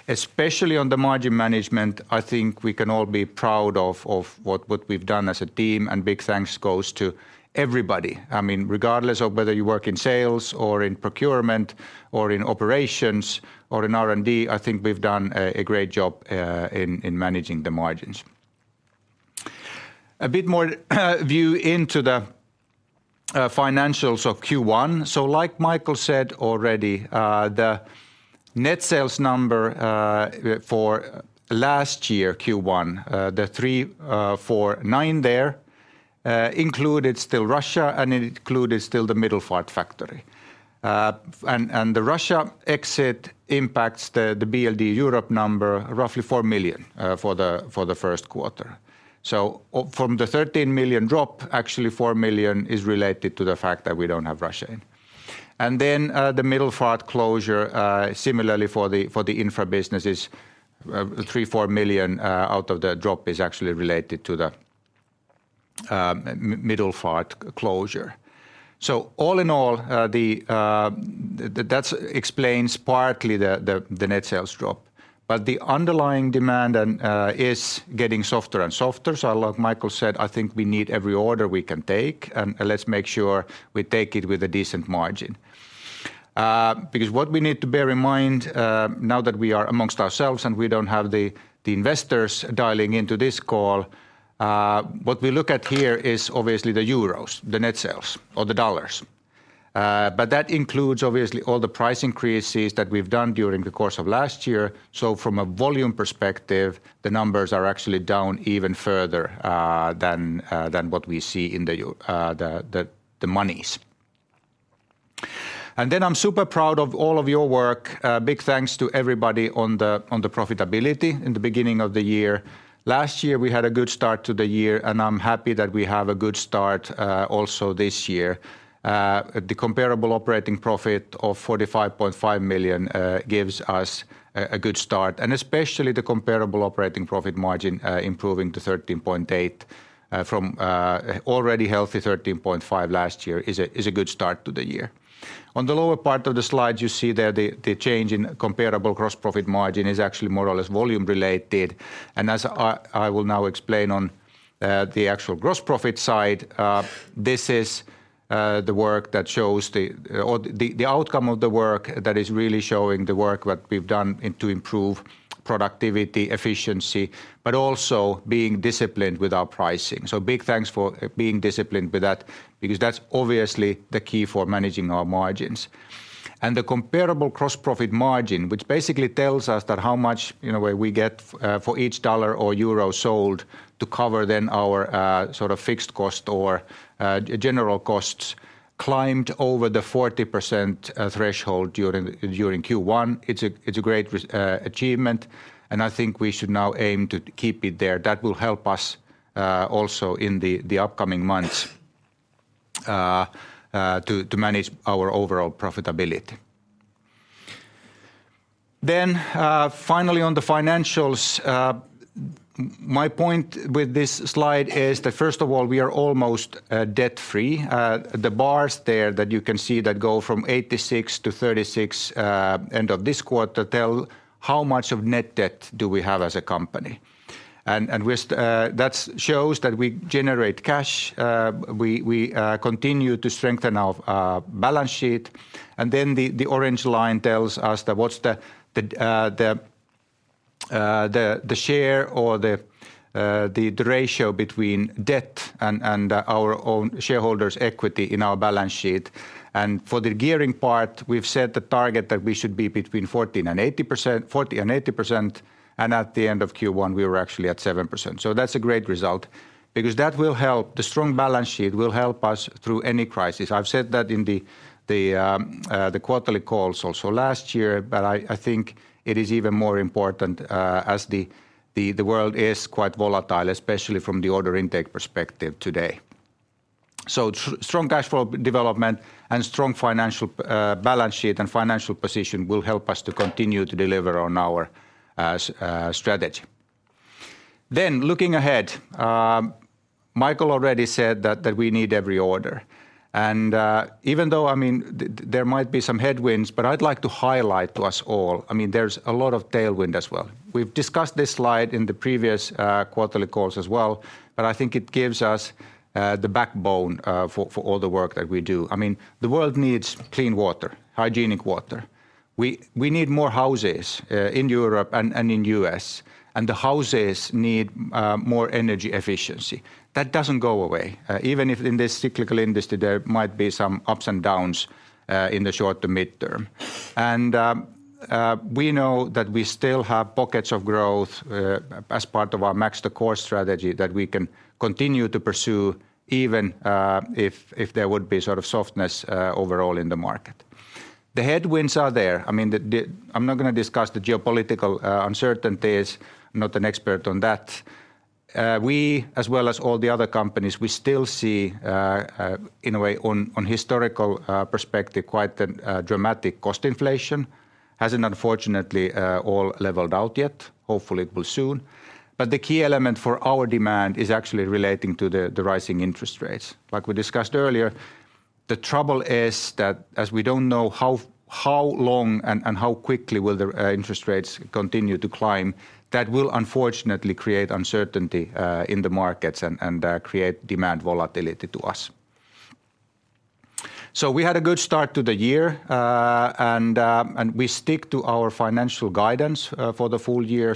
Especially on the margin management, I think we can all be proud of what we've done as a team, and big thanks goes to everybody. I mean, regardless of whether you work in sales or in procurement or in operations or in R&D, I think we've done a great job in managing the margins. A bit more view into the financials of Q1. Like Michael said already, the net sales number for last year Q1, the 349 million there, included still Russia and included still the Middelfart factory. The Russia exit impacts the BLD Europe number roughly 4 million for the first quarter. From the 13 million drop, actually 4 million is related to the fact that we don't have Russia in. Then the Middelfart closure, similarly for the Infra businesses, 3-4 million out of the drop is actually related to the Middelfart closure. All in all, that explains partly the net sales drop. The underlying demand is getting softer and softer. Like Michael said, I think we need every order we can take, and let's make sure we take it with a decent margin. Because what we need to bear in mind, now that we are amongst ourselves and we don't have the investors dialing into this call, what we look at here is obviously the euros, the net sales or the dollars. That includes obviously all the price increases that we've done during the course of last year. From a volume perspective, the numbers are actually down even further than what we see in the monies. I'm super proud of all of your work. Big thanks to everybody on the profitability in the beginning of the year. Last year, we had a good start to the year, and I'm happy that we have a good start, also this year. The comparable operating profit of 45.5 million gives us a good start, and especially the comparable operating profit margin, improving to 13.8% from already healthy 13.5% last year is a good start to the year. On the lower part of the slide, you see there the change in comparable gross profit margin is actually more or less volume related. As I will now explain on the actual gross profit side, this is the work that shows the or the outcome of the work that is really showing the work that we've done and to improve productivity, efficiency, but also being disciplined with our pricing. Big thanks for being disciplined with that because that's obviously the key for managing our margins. The comparable gross profit margin, which basically tells us that how much, in a way, we get for each dollar or euro sold to cover then our sort of fixed cost or general costs climbed over the 40% threshold during Q1. It's a great achievement, and I think we should now aim to keep it there. That will help us also in the upcoming months to manage our overall profitability. Finally on the financials, my point with this slide is that first of all, we are almost debt-free. The bars there that you can see that go from 86 to 36 end of this quarter tell how much of net debt do we have as a company. That shows that we generate cash, we continue to strengthen our balance sheet. The orange line tells us that what's the share or the ratio between debt and our own shareholders' equity in our balance sheet. For the gearing part, we've set the target that we should be between 40% and 80%, and at the end of Q1, we were actually at 7%. That's a great result because the strong balance sheet will help us through any crisis. I've said that in the quarterly calls also last year, but I think it is even more important as the world is quite volatile, especially from the order intake perspective today. Strong cash flow development and strong financial balance sheet and financial position will help us to continue to deliver on our strategy. Looking ahead, Michael already said that we need every order. Even though, I mean, there might be some headwinds, but I'd like to highlight to us all, I mean, there's a lot of tailwind as well. We've discussed this slide in the previous quarterly calls as well, but I think it gives us the backbone for all the work that we do. I mean, the world needs clean water, hygienic water. We need more houses in Europe and in U.S., and the houses need more energy efficiency. That doesn't go away. Even if in this cyclical industry, there might be some ups and downs in the short to mid-term. We know that we still have pockets of growth as part of our Max the Core strategy that we can continue to pursue even if there would be sort of softness overall in the market. The headwinds are there. I mean, I'm not gonna discuss the geopolitical uncertainties. I'm not an expert on that. We, as well as all the other companies, we still see in a way on historical perspective, quite a dramatic cost inflation. Hasn't unfortunately all leveled out yet. Hopefully, it will soon. The key element for our demand is actually relating to the rising interest rates. Like we discussed earlier, the trouble is that as we don't know how long and how quickly will the interest rates continue to climb, that will unfortunately create uncertainty in the markets and create demand volatility to us. We had a good start to the year and we stick to our financial guidance for the full year.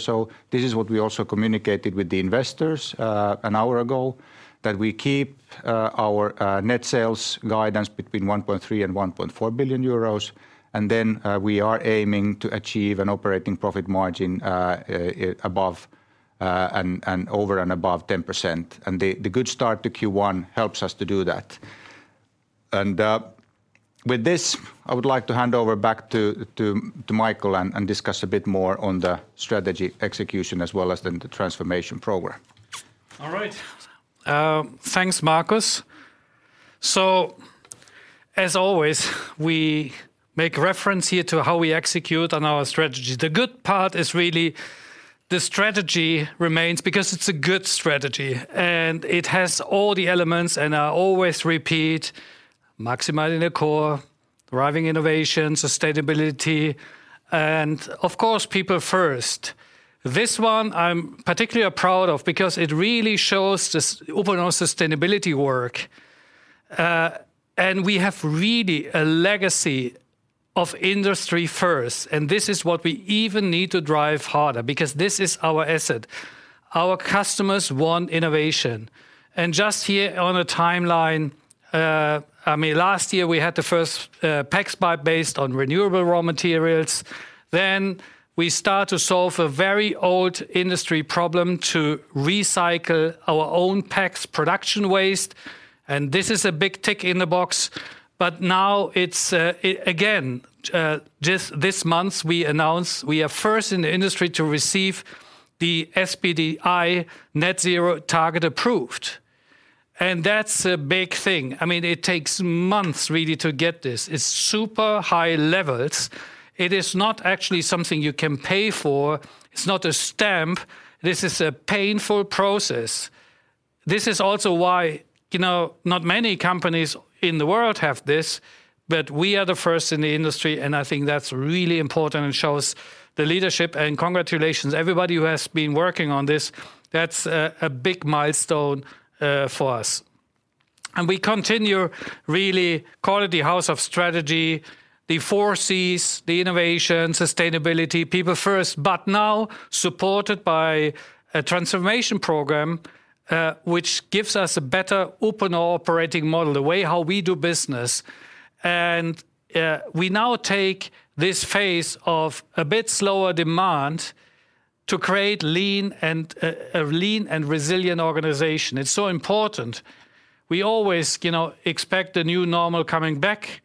This is what we also communicated with the investors an hour ago, that we keep our net sales guidance between 1.3 billion and 1.4 billion euros, and then we are aiming to achieve an operating profit margin above and over and above 10%. The good start to Q1 helps us to do that. With this, I would like to hand over back to Michael and discuss a bit more on the strategy execution as well as then the transformation program. All right. Thanks, Markus. As always, we make reference here to how we execute on our strategy. The good part is really the strategy remains because it's a good strategy, and it has all the elements, and I always repeat, Maximize the Core, driving innovation, sustainability, and of course, people first. This one I'm particularly proud of because it really shows just Uponor's sustainability work. We have really a legacy of industry first, and this is what we even need to drive harder because this is our asset. Our customers want innovation. Just here on a timeline, I mean, last year we had the first PEX pipe based on renewable raw materials. We start to solve a very old industry problem to recycle our own PEX production waste, and this is a big tick in the box. Now it's again, this month we announced we are first in the industry to receive the SBTi net-zero target approved. That's a big thing. I mean, it takes months really to get this. It's super high levels. It is not actually something you can pay for. It's not a stamp. This is a painful process. This is also why, you know, not many companies in the world have this, but we are the first in the industry, and I think that's really important and shows the leadership. Congratulations, everybody who has been working on this. That's a big milestone for us. We continue really call it the house of strategy, the 4Cs, the innovation, sustainability, people first, but now supported by a transformation program, which gives us a better open operating model, the way how we do business. We now take this phase of a bit slower demand to create lean and a lean and resilient organization. It's so important. We always, you know, expect the new normal coming back.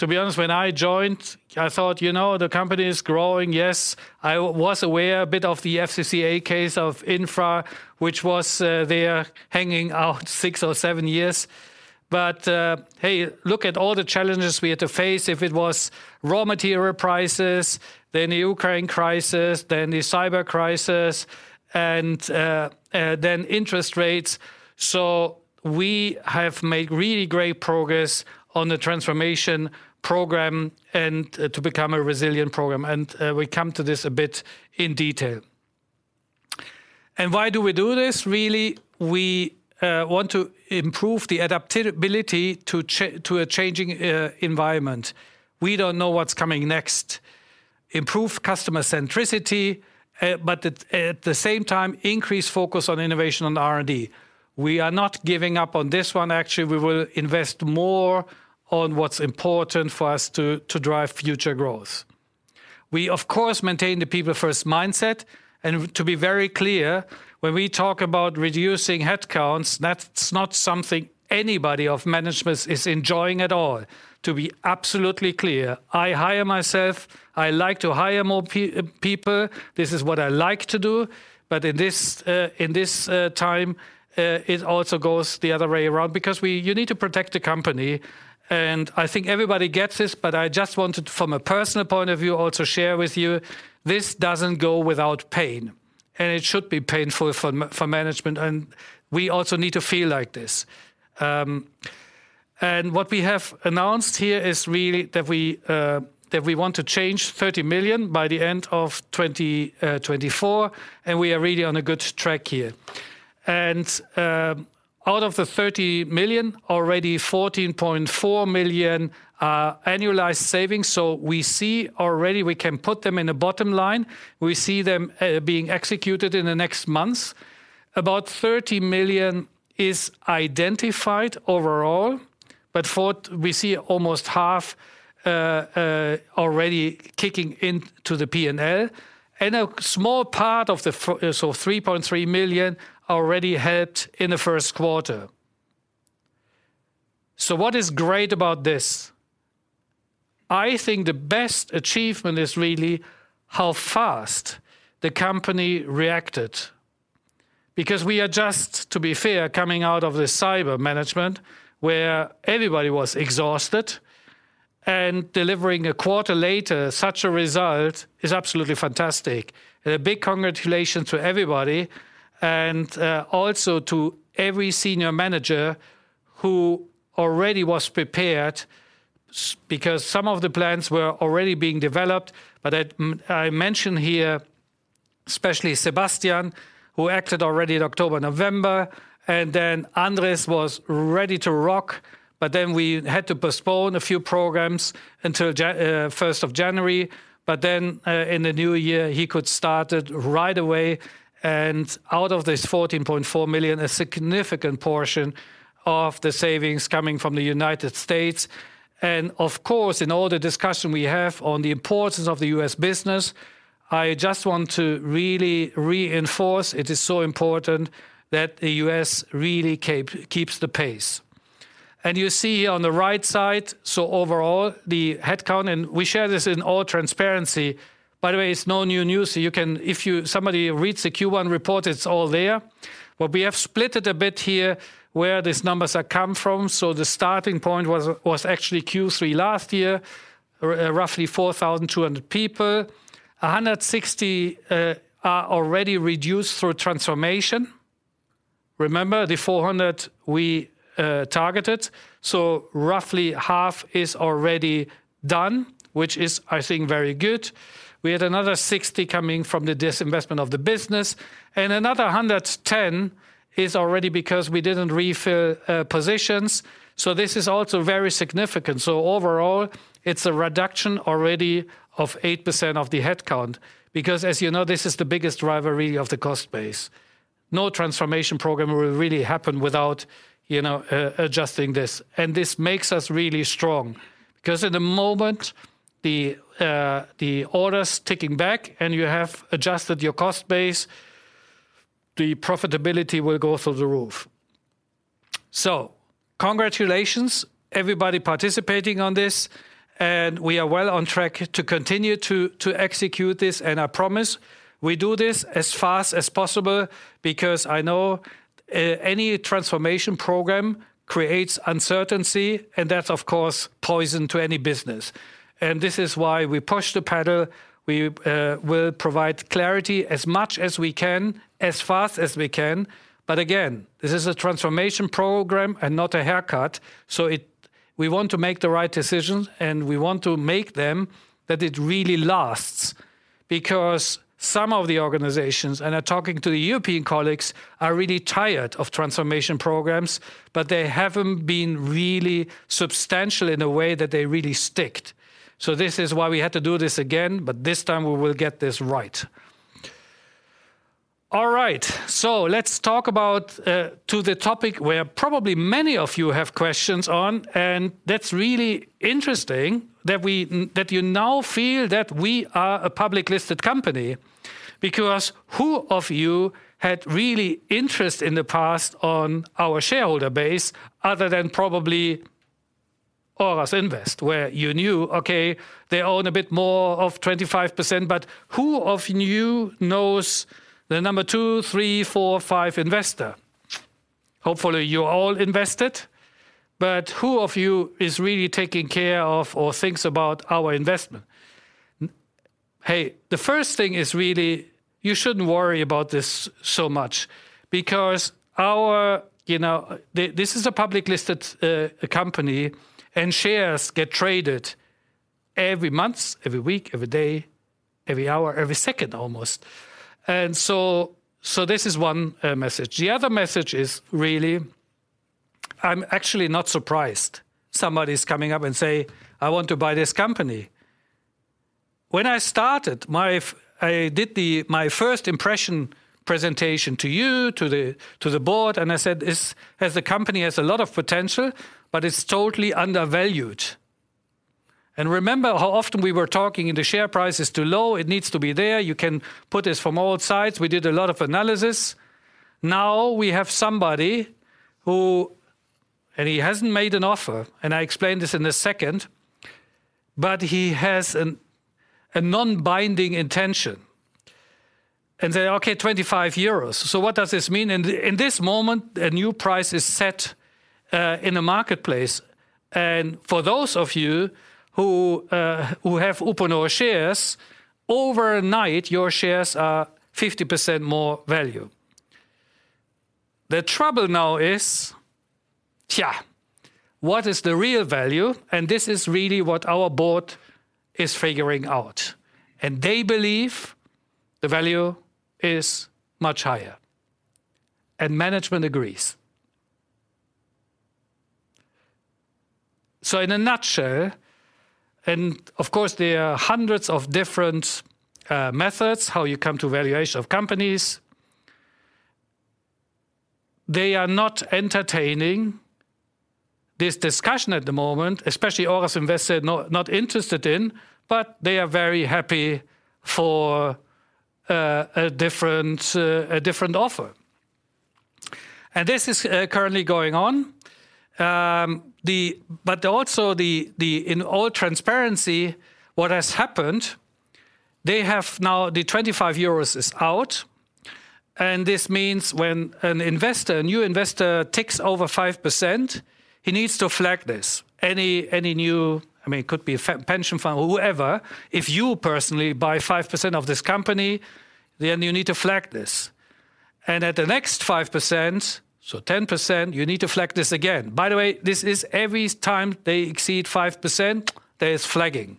To be honest, when I joined, I thought, you know, the company is growing. Yes, I was aware a bit of the FCCA case of Infra, which was there hanging out six or seven years. Hey, look at all the challenges we had to face. If it was raw material prices, then the Ukraine crisis, then the cyber crisis and then interest rates. We have made really great progress on the transformation program and to become a resilient program, and we come to this a bit in detail. Why do we do this? Really, we want to improve the adaptability to a changing environment. We don't know what's coming next. Improve customer centricity, but at the same time, increase focus on innovation and R&D. We are not giving up on this one. Actually, we will invest more on what's important for us to drive future growth. We, of course, maintain the people first mindset. To be very clear, when we talk about reducing headcounts, that's not something anybody of management is enjoying at all, to be absolutely clear. I hire myself. I like to hire more people. This is what I like to do. In this, in this time, it also goes the other way around because you need to protect the company. I think everybody gets this, but I just wanted, from a personal point of view, also share with you, this doesn't go without pain, and it should be painful for management, and we also need to feel like this. What we have announced here is really that we want to change 30 million by the end of 2024, and we are really on a good track here. Out of the 30 million, already 14.4 million are annualized savings. We see already we can put them in a bottom line. We see them being executed in the next months. About 30 million is identified overall, but we see almost half already kicking into the P&L, and a small part of the so 3.3 million already helped in the first quarter. What is great about this? I think the best achievement is really how fast the company reacted because we are just, to be fair, coming out of this cyber management where everybody was exhausted and delivering a quarter later such a result is absolutely fantastic. A big congratulations to everybody and also to every senior manager who already was prepared because some of the plans were already being developed. I mention here especially Sebastian, who acted already in October, November, and then Andres was ready to rock. Then we had to postpone a few programs until first of January. Then in the new year, he could start it right away and out of this 14.4 million, a significant portion of the savings coming from the United States. Of course, in all the discussion we have on the importance of the U.S. business, I just want to really reinforce it is so important that the U.S. really keeps the pace. You see on the right side, overall the headcount, and we share this in all transparency. By the way, it's no new news. You can If somebody reads the Q1 report, it's all there. We have split it a bit here where these numbers are come from. The starting point was actually Q3 last year, roughly 4,200 people. 160 are already reduced through transformation. Remember the 400 we targeted? Roughly half is already done, which is, I think, very good. We had another 60 coming from the disinvestment of the business, another 110 is already because we didn't refill positions. This is also very significant. Overall, it's a reduction already of 8% of the headcount because, as you know, this is the biggest driver really of the cost base. No transformation program will really happen without, you know, adjusting this. This makes us really strong because at the moment the order's ticking back and you have adjusted your cost base, the profitability will go through the roof. Congratulations everybody participating on this. We are well on track to continue to execute this. I promise we do this as fast as possible because I know any transformation program creates uncertainty, and that's, of course, poison to any business. This is why we push the pedal. We will provide clarity as much as we can, as fast as we can. Again, this is a transformation program and not a haircut. We want to make the right decisions, and we want to make them that it really lasts. Some of the organizations, and talking to the European colleagues, are really tired of transformation programs, but they haven't been really substantial in a way that they really sticked. This is why we had to do this again, but this time we will get this right. All right. Let's talk about to the topic where probably many of you have questions on, and that's really interesting that you now feel that we are a public listed company. Who of you had really interest in the past on our shareholder base other than probably Oras Invest, where you knew, okay, they own a bit more of 25%, but who of you knows the number two, three, four, five investor? Hopefully, you all invested, but who of you is really taking care of or thinks about our investment? Hey, the first thing is really you shouldn't worry about this so much because our, you know, this is a public listed company, and shares get traded every month, every week, every day, every hour, every second, almost. This is one message. The other message is really, I'm actually not surprised somebody's coming up and say, "I want to buy this company." When I started, I did my first impression presentation to the Board, and I said the company has a lot of potential, but it's totally undervalued. Remember how often we were talking the share price is too low, it needs to be there. You can put this from all sides. We did a lot of analysis. We have somebody who, and he hasn't made an offer, and I explain this in a second, but he has a non-binding intention. They say, "Okay, 25 euros." What does this mean? In this moment, a new price is set in the marketplace. For those of you who have Uponor shares, overnight, your shares are 50% more value. The trouble now is, tja, what is the real value? This is really what our board is figuring out. They believe the value is much higher, and management agrees. In a nutshell, of course, there are hundreds of different methods how you come to valuation of companies. They are not entertaining this discussion at the moment, especially Oras Invest said no, not interested in, but they are very happy for a different, a different offer. This is currently going on. But also the, in all transparency, what has happened, they have now, the 25 euros is out. This means when an investor, a new investor takes over 5%, he needs to flag this. Any new, I mean, it could be a pension fund or whoever, if you personally buy 5% of this company, then you need to flag this. At the next 5%, so 10%, you need to flag this again. By the way, this is every time they exceed 5%, there is flagging.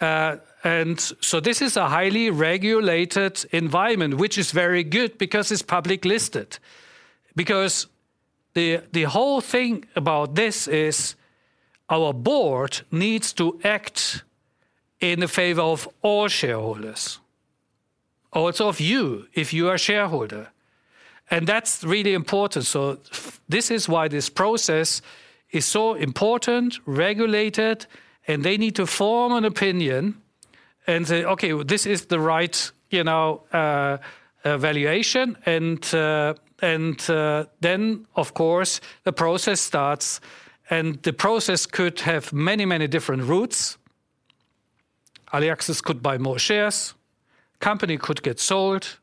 This is a highly regulated environment, which is very good because it's public listed. Because the whole thing about this is our board needs to act in the favor of all shareholders. Also of you, if you are shareholder. That's really important. This is why this process is so important, regulated, and they need to form an opinion and say, "Okay, this is the right, you know, valuation." Then, of course, the process starts, and the process could have many, many different routes. Aliaxis could buy more shares. Company could get sold.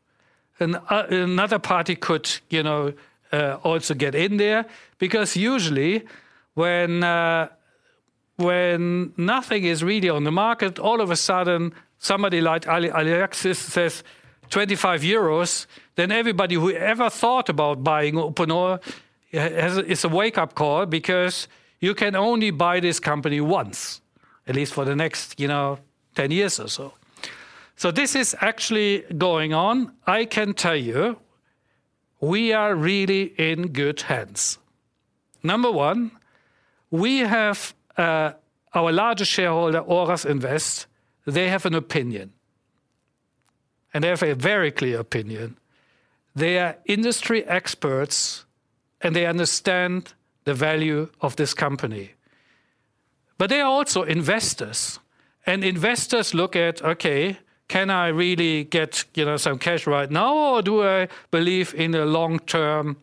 Another party could, you know, also get in there. Usually when nothing is really on the market, all of a sudden somebody like Aliaxis says 25 euros, then everybody who ever thought about buying Uponor has a wake-up call because you can only buy this company once, at least for the next, you know, 10 years or so. This is actually going on. I can tell you we are really in good hands. Number one, we have, our largest shareholder, Oras Invest, they have an opinion, and they have a very clear opinion. They are industry experts, and they understand the value of this company. They are also investors, and investors look at, okay, can I really get, you know, some cash right now, or do I believe in the long-term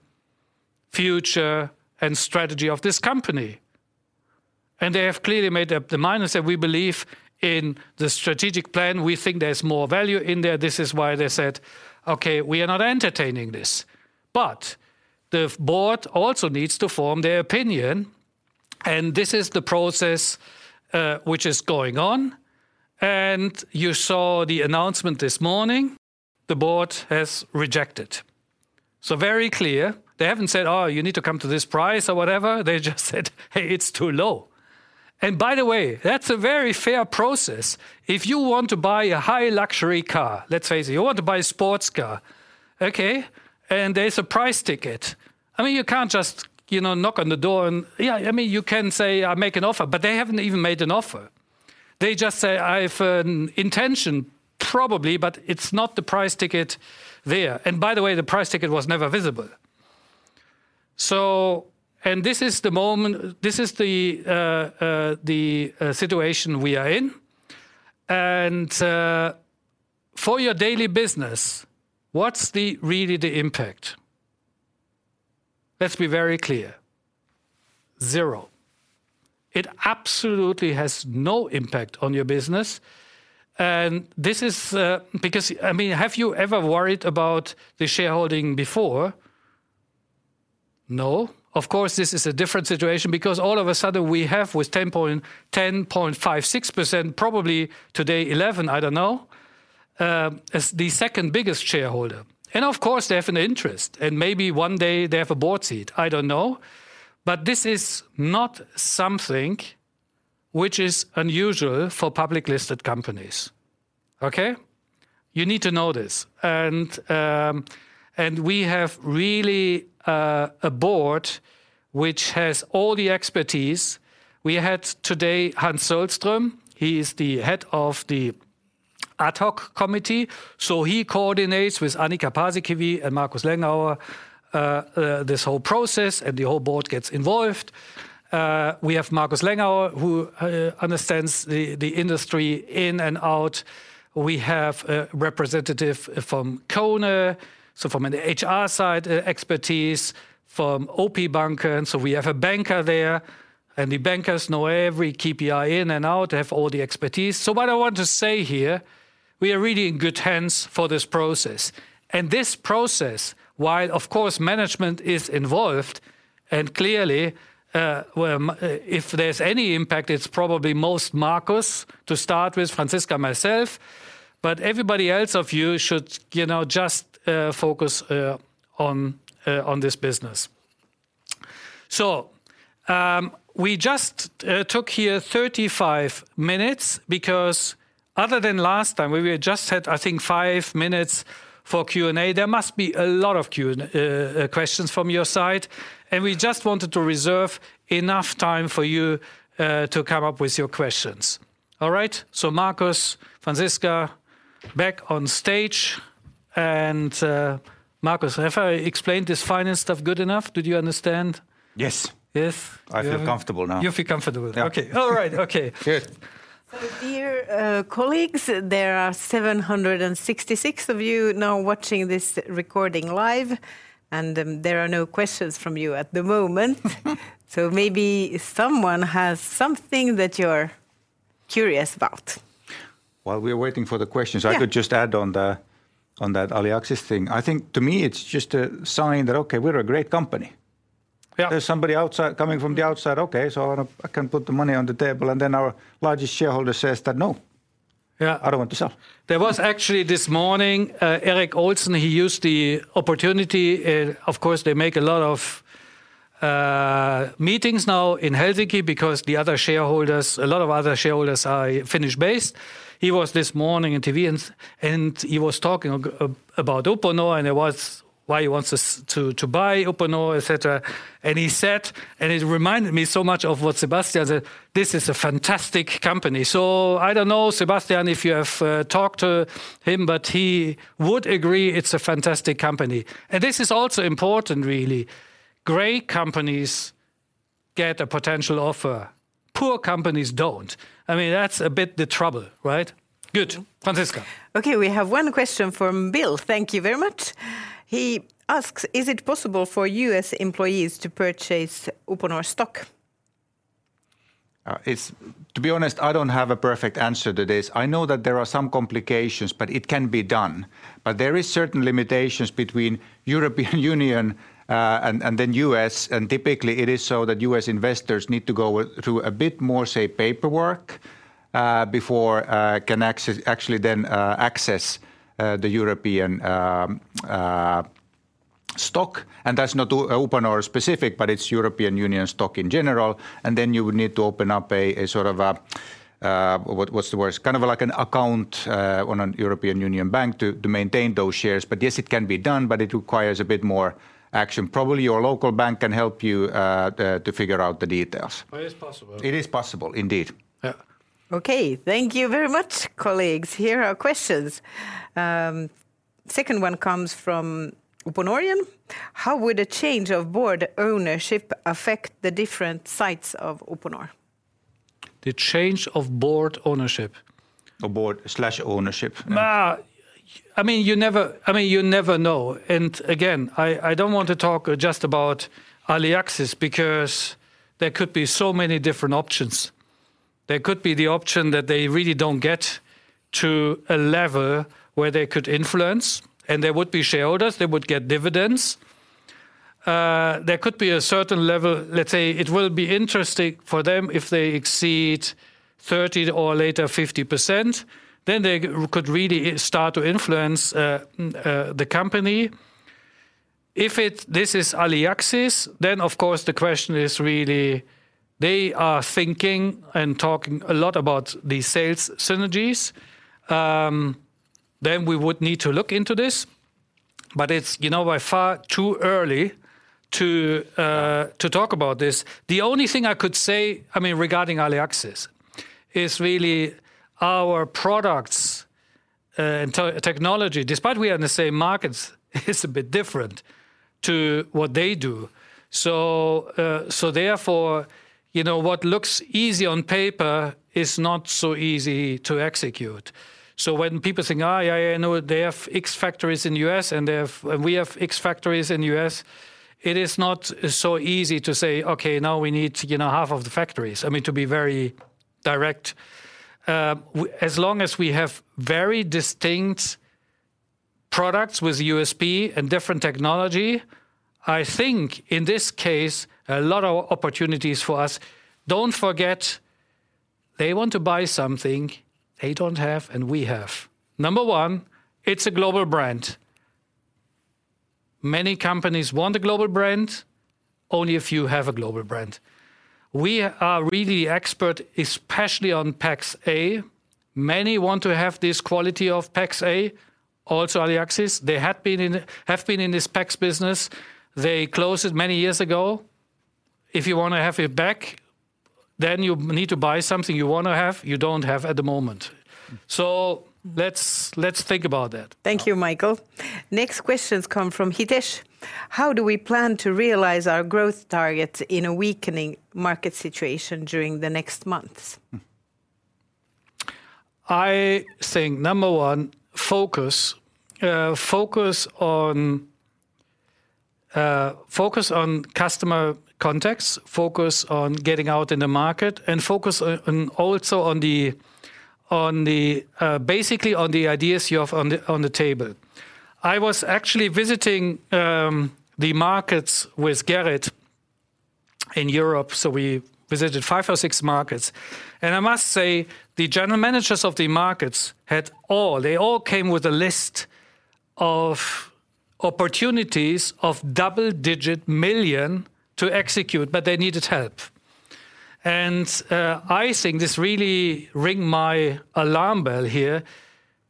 future and strategy of this company? They have clearly made up their mind and said, "We believe in the strategic plan. We think there's more value in there." This is why they said, "Okay, we are not entertaining this." The board also needs to form their opinion, and this is the process, which is going on. You saw the announcement this morning, the board has rejected. So very clear. They haven't said, "Oh, you need to come to this price," or whatever. They just said, "Hey, it's too low." By the way, that's a very fair process. If you want to buy a high luxury car, let's say you want to buy a sports car, okay, and there's a price ticket. I mean, you can't just, you know, knock on the door. I mean, you can say, make an offer, but they haven't even made an offer. They just say, "I have an intention probably," but it's not the price ticket there, and by the way, the price ticket was never visible. This is the moment, this is the situation we are in. For your daily business, what's the really the impact? Let's be very clear, zero. It absolutely has no impact on your business. This is, because I mean, have you ever worried about the shareholding before? No. Of course, this is a different situation because all of a sudden we have with 10.56%, probably today 11, I don't know, as the second biggest shareholder. Of course, they have an interest, and maybe one day they have a board seat. I don't know. This is not something which is unusual for public listed companies. Okay? You need to know this. We have really a board which has all the expertise. We had today Hans Sohlström, he is the head of the Ad Hoc Committee, so he coordinates with Annika Paasikivi and Markus Lengauer, this whole process, and the whole board gets involved. We have Markus Lengauer, who understands the industry in and out. We have a representative from KONE, so from an HR side, expertise. From OP Bank, we have a banker there, and the bankers know every KPI in and out, have all the expertise. What I want to say here, we are really in good hands for this process and this process while, of course, management is involved and clearly, well if there's any impact, it's probably most Markus to start with, Franciska, myself, but everybody else of you should, you know, just focus on this business. We just took here 35 minutes because other than last time we had just had, I think, five minutes for Q&A, there must be a lot of Q and questions from your side, and we just wanted to reserve enough time for you to come up with your questions. All right? Markus, Franciska, back on stage, and Markus, have I explained this finance stuff good enough? Did you understand? Yes. Yes. I feel comfortable now. You feel comfortable? Yeah. Okay. All right. Okay. Good. Dear colleagues, there are 766 of you now watching this recording live, and, there are no questions from you at the moment. Maybe someone has something that you're curious about. While we're waiting for the questions... Yeah I could just add on the, on that Aliaxis thing. I think to me it's just a sign that, okay, we're a great company. Yeah. There's somebody outside, coming from the outside. Okay, I can put the money on the table, and then our largest shareholder says that, "No. Yeah. I don't want to sell. There was actually this morning, Eric Olsen, he used the opportunity, of course they make a lot of meetings now in Helsinki because the other shareholders, a lot of other shareholders are Finnish based. He was this morning interview and he was talking about Uponor and it was why he wants us to buy Uponor, et cetera. He said, and it reminded me so much of what Sebastian said, "This is a fantastic company." I don't know Sebastian, if you have talked to him, but he would agree it's a fantastic company. This is also important, really. Great companies get a potential offer. Poor companies don't. I mean, that's a bit the trouble, right? Good. Mm-hmm. Franciska. Okay, we have one question from Bill. Thank you very much. He asks, "Is it possible for U.S. employees to purchase Uponor stock? It's To be honest, I don't have a perfect answer to this. I know that there are some complications, but it can be done. There is certain limitations between European Union and then U.S., and typically it is so that U.S. investors need to go through a bit more, say, paperwork before can access, actually then, access the European stock, and that's not Uponor specific, but it's European Union stock in general, and then you would need to open up a sort of a what's the word? It's kind of like an account on an European Union bank to maintain those shares. Yes, it can be done, but it requires a bit more action. Probably your local bank can help you to figure out the details. It's possible. It is possible indeed. Yeah. Okay. Thank you very much, colleagues. Here are questions. Second one comes from Uponorian: "How would a change of board ownership affect the different sites of Uponor? The change of board ownership? Of board slash ownership, mm-hmm. I mean, you never, I mean, you never know. Again, I don't want to talk just about Aliaxis because there could be so many different options. There could be the option that they really don't get to a level where they could influence, and they would be shareholders, they would get dividends. There could be a certain level, let's say it will be interesting for them if they exceed 30 or later 50%, then they could really start to influence the company. If this is Aliaxis, then of course the question is really they are thinking and talking a lot about the sales synergies, then we would need to look into this, but it's, you know, by far too early to talk about this. The only thing I could say, I mean regarding Aliaxis, is really our products and technology, despite we are in the same markets, is a bit different to what they do. Therefore, you know, what looks easy on paper is not so easy to execute. When people think, oh, yeah, I know they have X factories in the U.S. and we have X factories in the U.S., it is not so easy to say, "Okay, now we need, you know, half of the factories." I mean, to be very direct, as long as we have very distinct products with USP and different technology, I think in this case, a lot of opportunities for us. Don't forget, they want to buy something they don't have and we have. Number one, it's a global brand. Many companies want a global brand, only a few have a global brand. We are really expert, especially on PEX-a. Many want to have this quality of PEX-a, also Aliaxis. They have been in this PEX business. They closed it many years ago. If you wanna have it back, you need to buy something you wanna have, you don't have at the moment. Let's think about that. Thank you, Michael. Next questions come from Hitesh. How do we plan to realize our growth targets in a weakening market situation during the next months? I think, number one, focus. Focus on customer contacts, focus on getting out in the market, focus on the ideas you have on the table. I was actually visiting the markets with Gerrit in Europe, so we visited five or six markets, I must say, the general managers of the markets, they all came with a list of opportunities of double-digit million to execute, but they needed help. I think this really ring my alarm bell here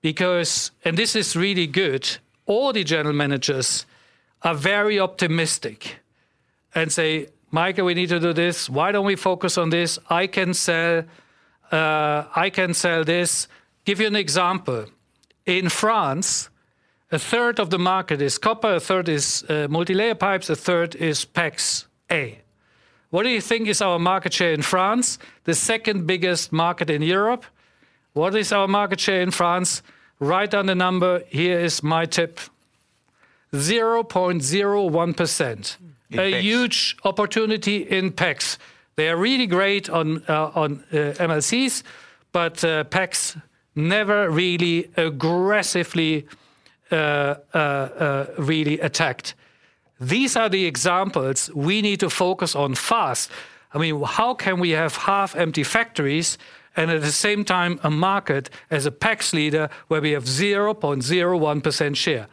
because, this is really good, all the general managers are very optimistic and say, "Michael, we need to do this. Why don't we focus on this? I can sell this." Give you an example. In France, a third of the market is copper, a third is multilayer pipes, a third is PEX-a. What do you think is our market share in France, the second biggest market in Europe? What is our market share in France? Write down the number. Here is my tip, 0.01%. In PEX. A huge opportunity in PEX. They are really great on MLCs, but PEX never really aggressively really attacked. These are the examples we need to focus on fast. I mean, how can we have half empty factories and at the same time a market as a PEX leader where we have 0.01% share?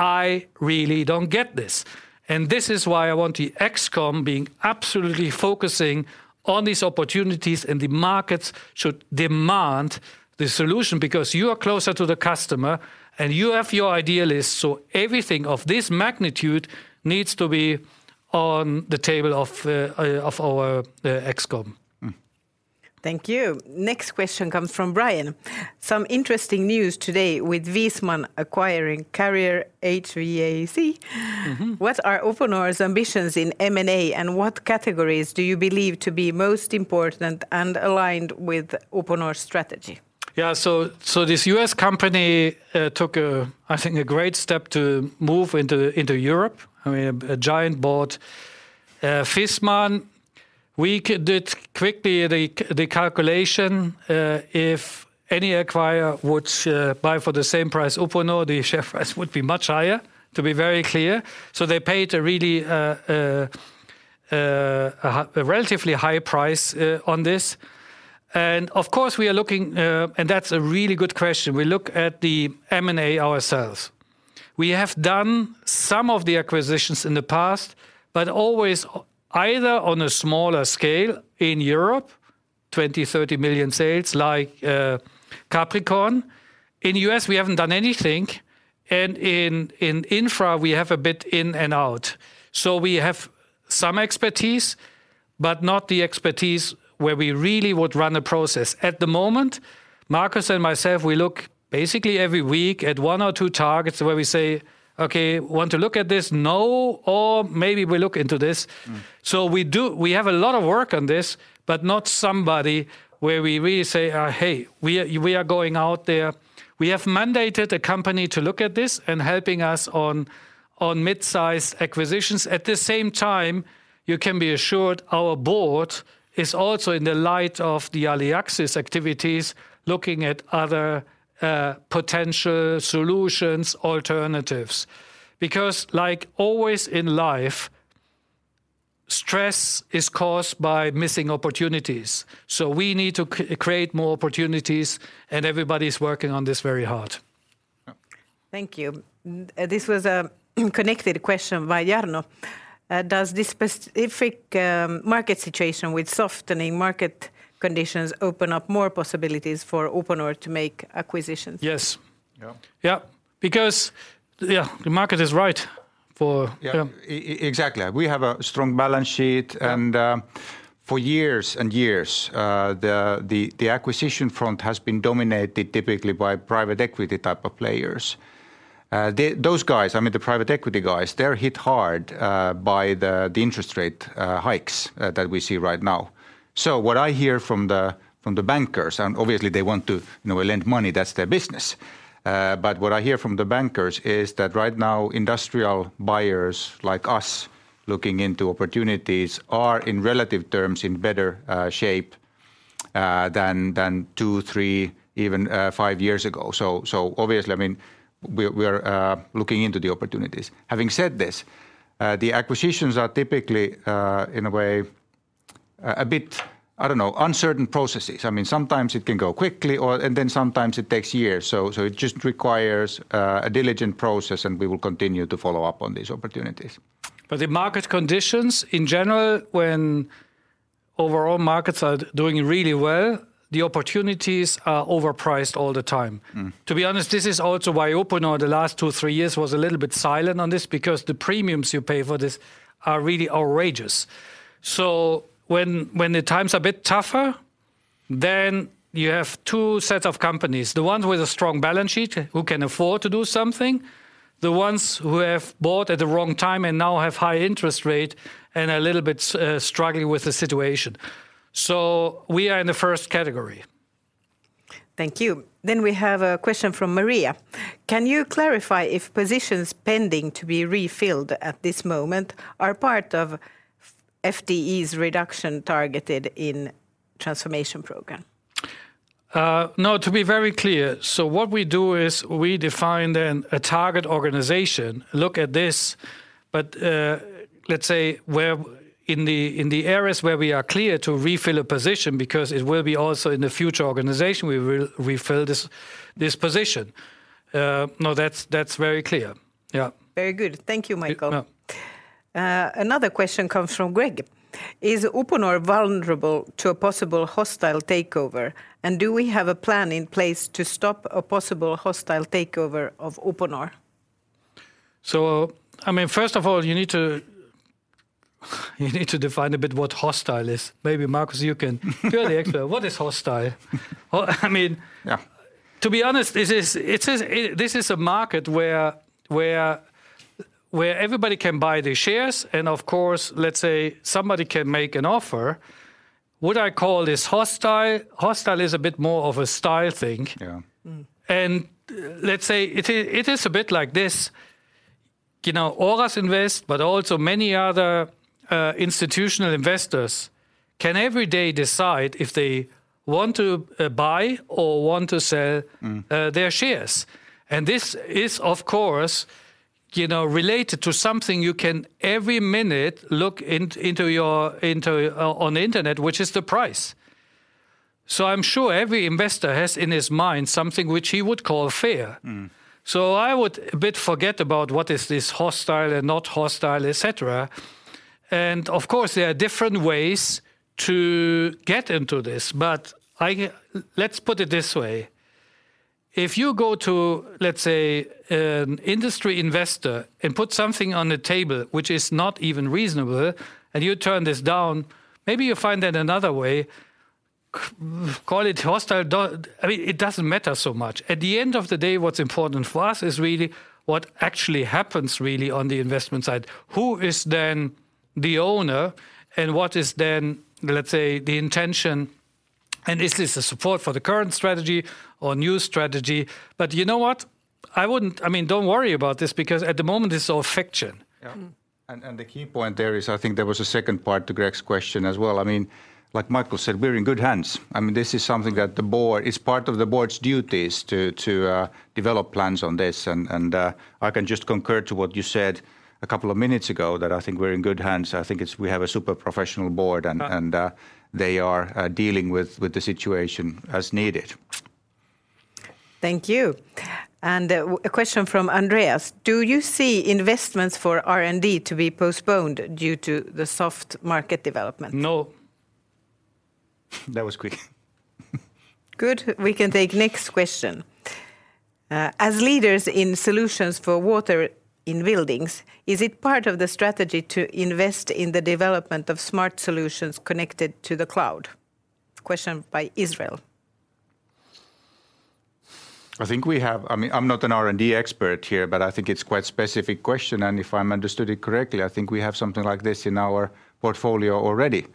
I really don't get this. This is why I want the ExCom being absolutely focusing on these opportunities, and the markets should demand the solution because you are closer to the customer, and you have your ideal list, so everything of this magnitude needs to be on the table of our ExCom. Thank you. Next question comes from Brian. Some interesting news today with Viessmann acquiring Carrier HVAC. Mm-hmm. What are Uponor's ambitions in M&A, and what categories do you believe to be most important and aligned with Uponor's strategy? This U.S. company took a, I think, a great step to move into Europe. I mean, a giant board, Viessmann. We could did quickly the calculation, if any acquirer would buy for the same price Uponor, the share price would be much higher, to be very clear. They paid a really a relatively high price on this. Of course, we are looking, and that's a really good question. We look at the M&A ourselves. We have done some of the acquisitions in the past, but always either on a smaller scale in Europe, 20 million, 30 million sales like Capricorn. In U.S., we haven't done anything, and in Infra, we have a bit in and out. We have some expertise, but not the expertise where we really would run a process. At the moment, Markus and myself, we look basically every week at one or two targets where we say, "Okay, want to look at this? No, or maybe we look into this. Mm. We have a lot of work on this, but not somebody where we really say, "hey, we are going out there." We have mandated a company to look at this and helping us on mid-size acquisitions. At the same time, you can be assured our board is also in the light of the Aliaxis activities, looking at other potential solutions, alternatives. Like always in life, stress is caused by missing opportunities. We need to create more opportunities, and everybody's working on this very hard. Thank you. This was a connected question by Jarno. Does this specific market situation with softening market conditions open up more possibilities for Uponor to make acquisitions? Yes. Yeah. Because the market is right. Yeah... yeah. Exactly. We have a strong balance sheet. Yeah. For years and years, the acquisition front has been dominated typically by private equity type of players. They, those guys, I mean, the private equity guys, they're hit hard by the interest rate hikes that we see right now. What I hear from the, from the bankers, and obviously they want to, you know, lend money, that's their business. What I hear from the bankers is that right now industrial buyers like us looking into opportunities are in relative terms in better shape than two, three, even five years ago. Obviously, I mean, we're, we are looking into the opportunities. Having said this, the acquisitions are typically in a way a bit, I don't know, uncertain processes. I mean, sometimes it can go quickly or... Sometimes it takes years. It just requires a diligent process, and we will continue to follow up on these opportunities. The market conditions in general, when overall markets are doing really well, the opportunities are overpriced all the time. Mm. To be honest, this is also why Uponor the last two, three years was a little bit silent on this because the premiums you pay for this are really outrageous. When the times are a bit tougher, then you have two set of companies. The ones with a strong balance sheet who can afford to do something, the ones who have bought at the wrong time and now have high interest rate and a little bit struggling with the situation. We are in the first category. Thank you. We have a question from Maria. Can you clarify if positions pending to be refilled at this moment are part of FTE's reduction targeted in transformation program? No, to be very clear. What we do is we define then a target organization, look at this. Let's say where in the areas where we are clear to refill a position because it will be also in the future organization we will refill this position. No, that's very clear. Yeah. Very good. Thank you, Michael. Yeah. Another question comes from Greg. Is Uponor vulnerable to a possible hostile takeover, and do we have a plan in place to stop a possible hostile takeover of Uponor? I mean, first of all, you need to define a bit what hostile is. Maybe Markus, you're the expert. What is hostile? Well, I mean. Yeah... to be honest, this is a market where everybody can buy the shares. Of course, let's say somebody can make an offer. Would I call this hostile? Hostile is a bit more of a style thing. Yeah. Mm. Let's say it is a bit like this. You know, Oras Invest, but also many other institutional investors can every day decide if they want to buy or want to sell. Mm... their shares. This is of course, you know, related to something you can every minute look into your, on the internet, which is the price. I'm sure every investor has in his mind something which he would call fair. Mm. I would a bit forget about what is this hostile and not hostile, et cetera. Of course, there are different ways to get into this, but let's put it this way. If you go to, let's say, an industry investor and put something on the table which is not even reasonable, and you turn this down, maybe you find then another way, call it hostile, I mean, it doesn't matter so much. At the end of the day, what's important for us is really what actually happens really on the investment side. Who is then the owner, and what is then, let's say, the intention, and is this a support for the current strategy or new strategy? You know what? I wouldn't, I mean, don't worry about this because at the moment it's all fiction. Yeah. Mm. The key point there is, I think there was a second part to Greg's question as well. I mean, like Michael said, we're in good hands. I mean, this is something that the board, it's part of the board's duties to develop plans on this. I can just concur to what you said a couple of minutes ago that I think we're in good hands. I think it's, we have a super professional board. Yeah They are dealing with the situation as needed. Thank you. A question from Andreas. Do you see investments for R&D to be postponed due to the soft market development? No. That was quick. Good. We can take next question. As leaders in solutions for water in buildings, is it part of the strategy to invest in the development of smart solutions connected to the cloud? Question by Israel. I think we have... I mean, I'm not an R&D expert here, but I think it's quite specific question, and if I'm understood it correctly, I think we have something like this in our portfolio already.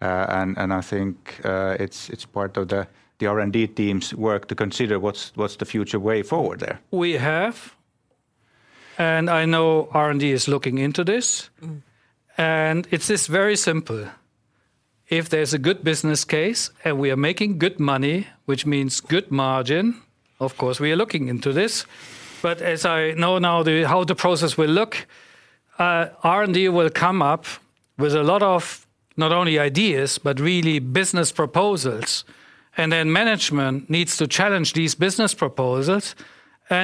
I think it's part of the R&D team's work to consider what's the future way forward there. We have, and I know R&D is looking into this. Mm. It's this very simple. If there's a good business case, and we are making good money, which means good margin, of course we are looking into this. As I know now the, how the process will look, R&D will come up with a lot of not only ideas, but really business proposals. Management needs to challenge these business proposals.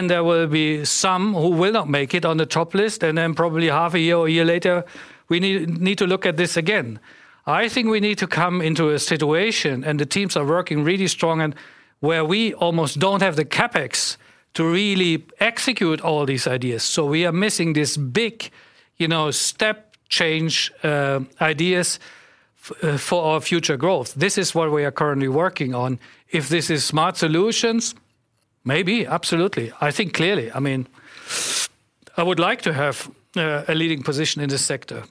There will be some who will not make it on the top list. Probably half a year or one year later we need to look at this again. I think we need to come into a situation. The teams are working really strong and where we almost don't have the CapEx to really execute all these ideas. We are missing this big, you know, step change ideas for our future growth. This is what we are currently working on. If this is smart solutions? Maybe, absolutely. I think clearly. I mean, I would like to have a leading position in this sector.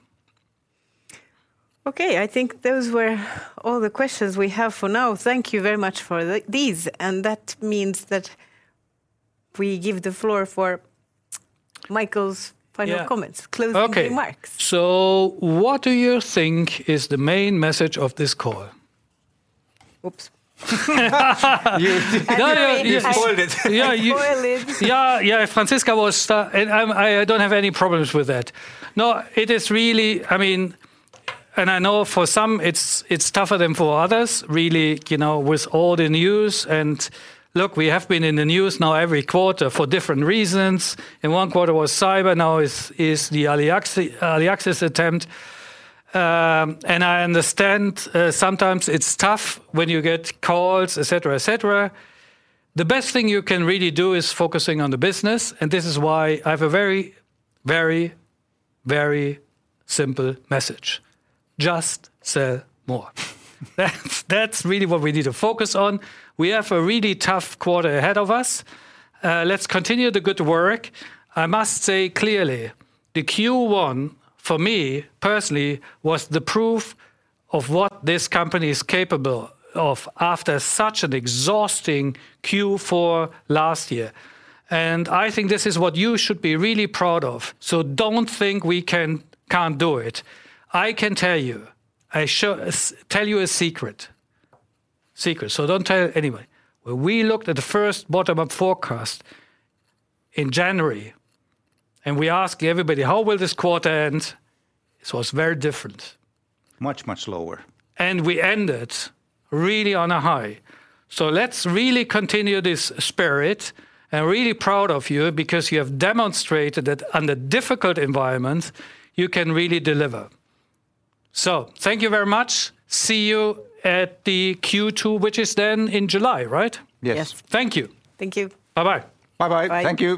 Okay. I think those were all the questions we have for now. Thank you very much for these, and that means that we give the floor for Michael's final comments. Yeah. Closing remarks. Okay. What do you think is the main message of this call? Oops. You- You spoiled it. I spoiled it. Yeah. I don't have any problems with that. It is really, I mean, I know for some it's tougher than for others, really, you know, with all the news. Look, we have been in the news now every quarter for different reasons. In one quarter was cyber, now is the Aliaxis attempt. I understand sometimes it's tough when you get calls, et cetera, et cetera. The best thing you can really do is focusing on the business, this is why I have a very, very, very simple message. Just sell more. That's really what we need to focus on. We have a really tough quarter ahead of us. Let's continue the good work. I must say clearly, the Q1 for me personally, was the proof of what this company is capable of after such an exhausting Q4 last year. I think this is what you should be really proud of. Don't think we can't do it. I can tell you, I tell you a secret. Secret. Don't tell anyone. When we looked at the first bottom-up forecast in January, we ask everybody, "How will this quarter end?" It's very different. Much, much lower. We ended really on a high. Let's really continue this spirit. I'm really proud of you because you have demonstrated that under difficult environment you can really deliver. Thank you very much. See you at the Q2, which is then in July, right? Yes. Yes. Thank you. Thank you. Bye-bye. Bye-bye. Thank you.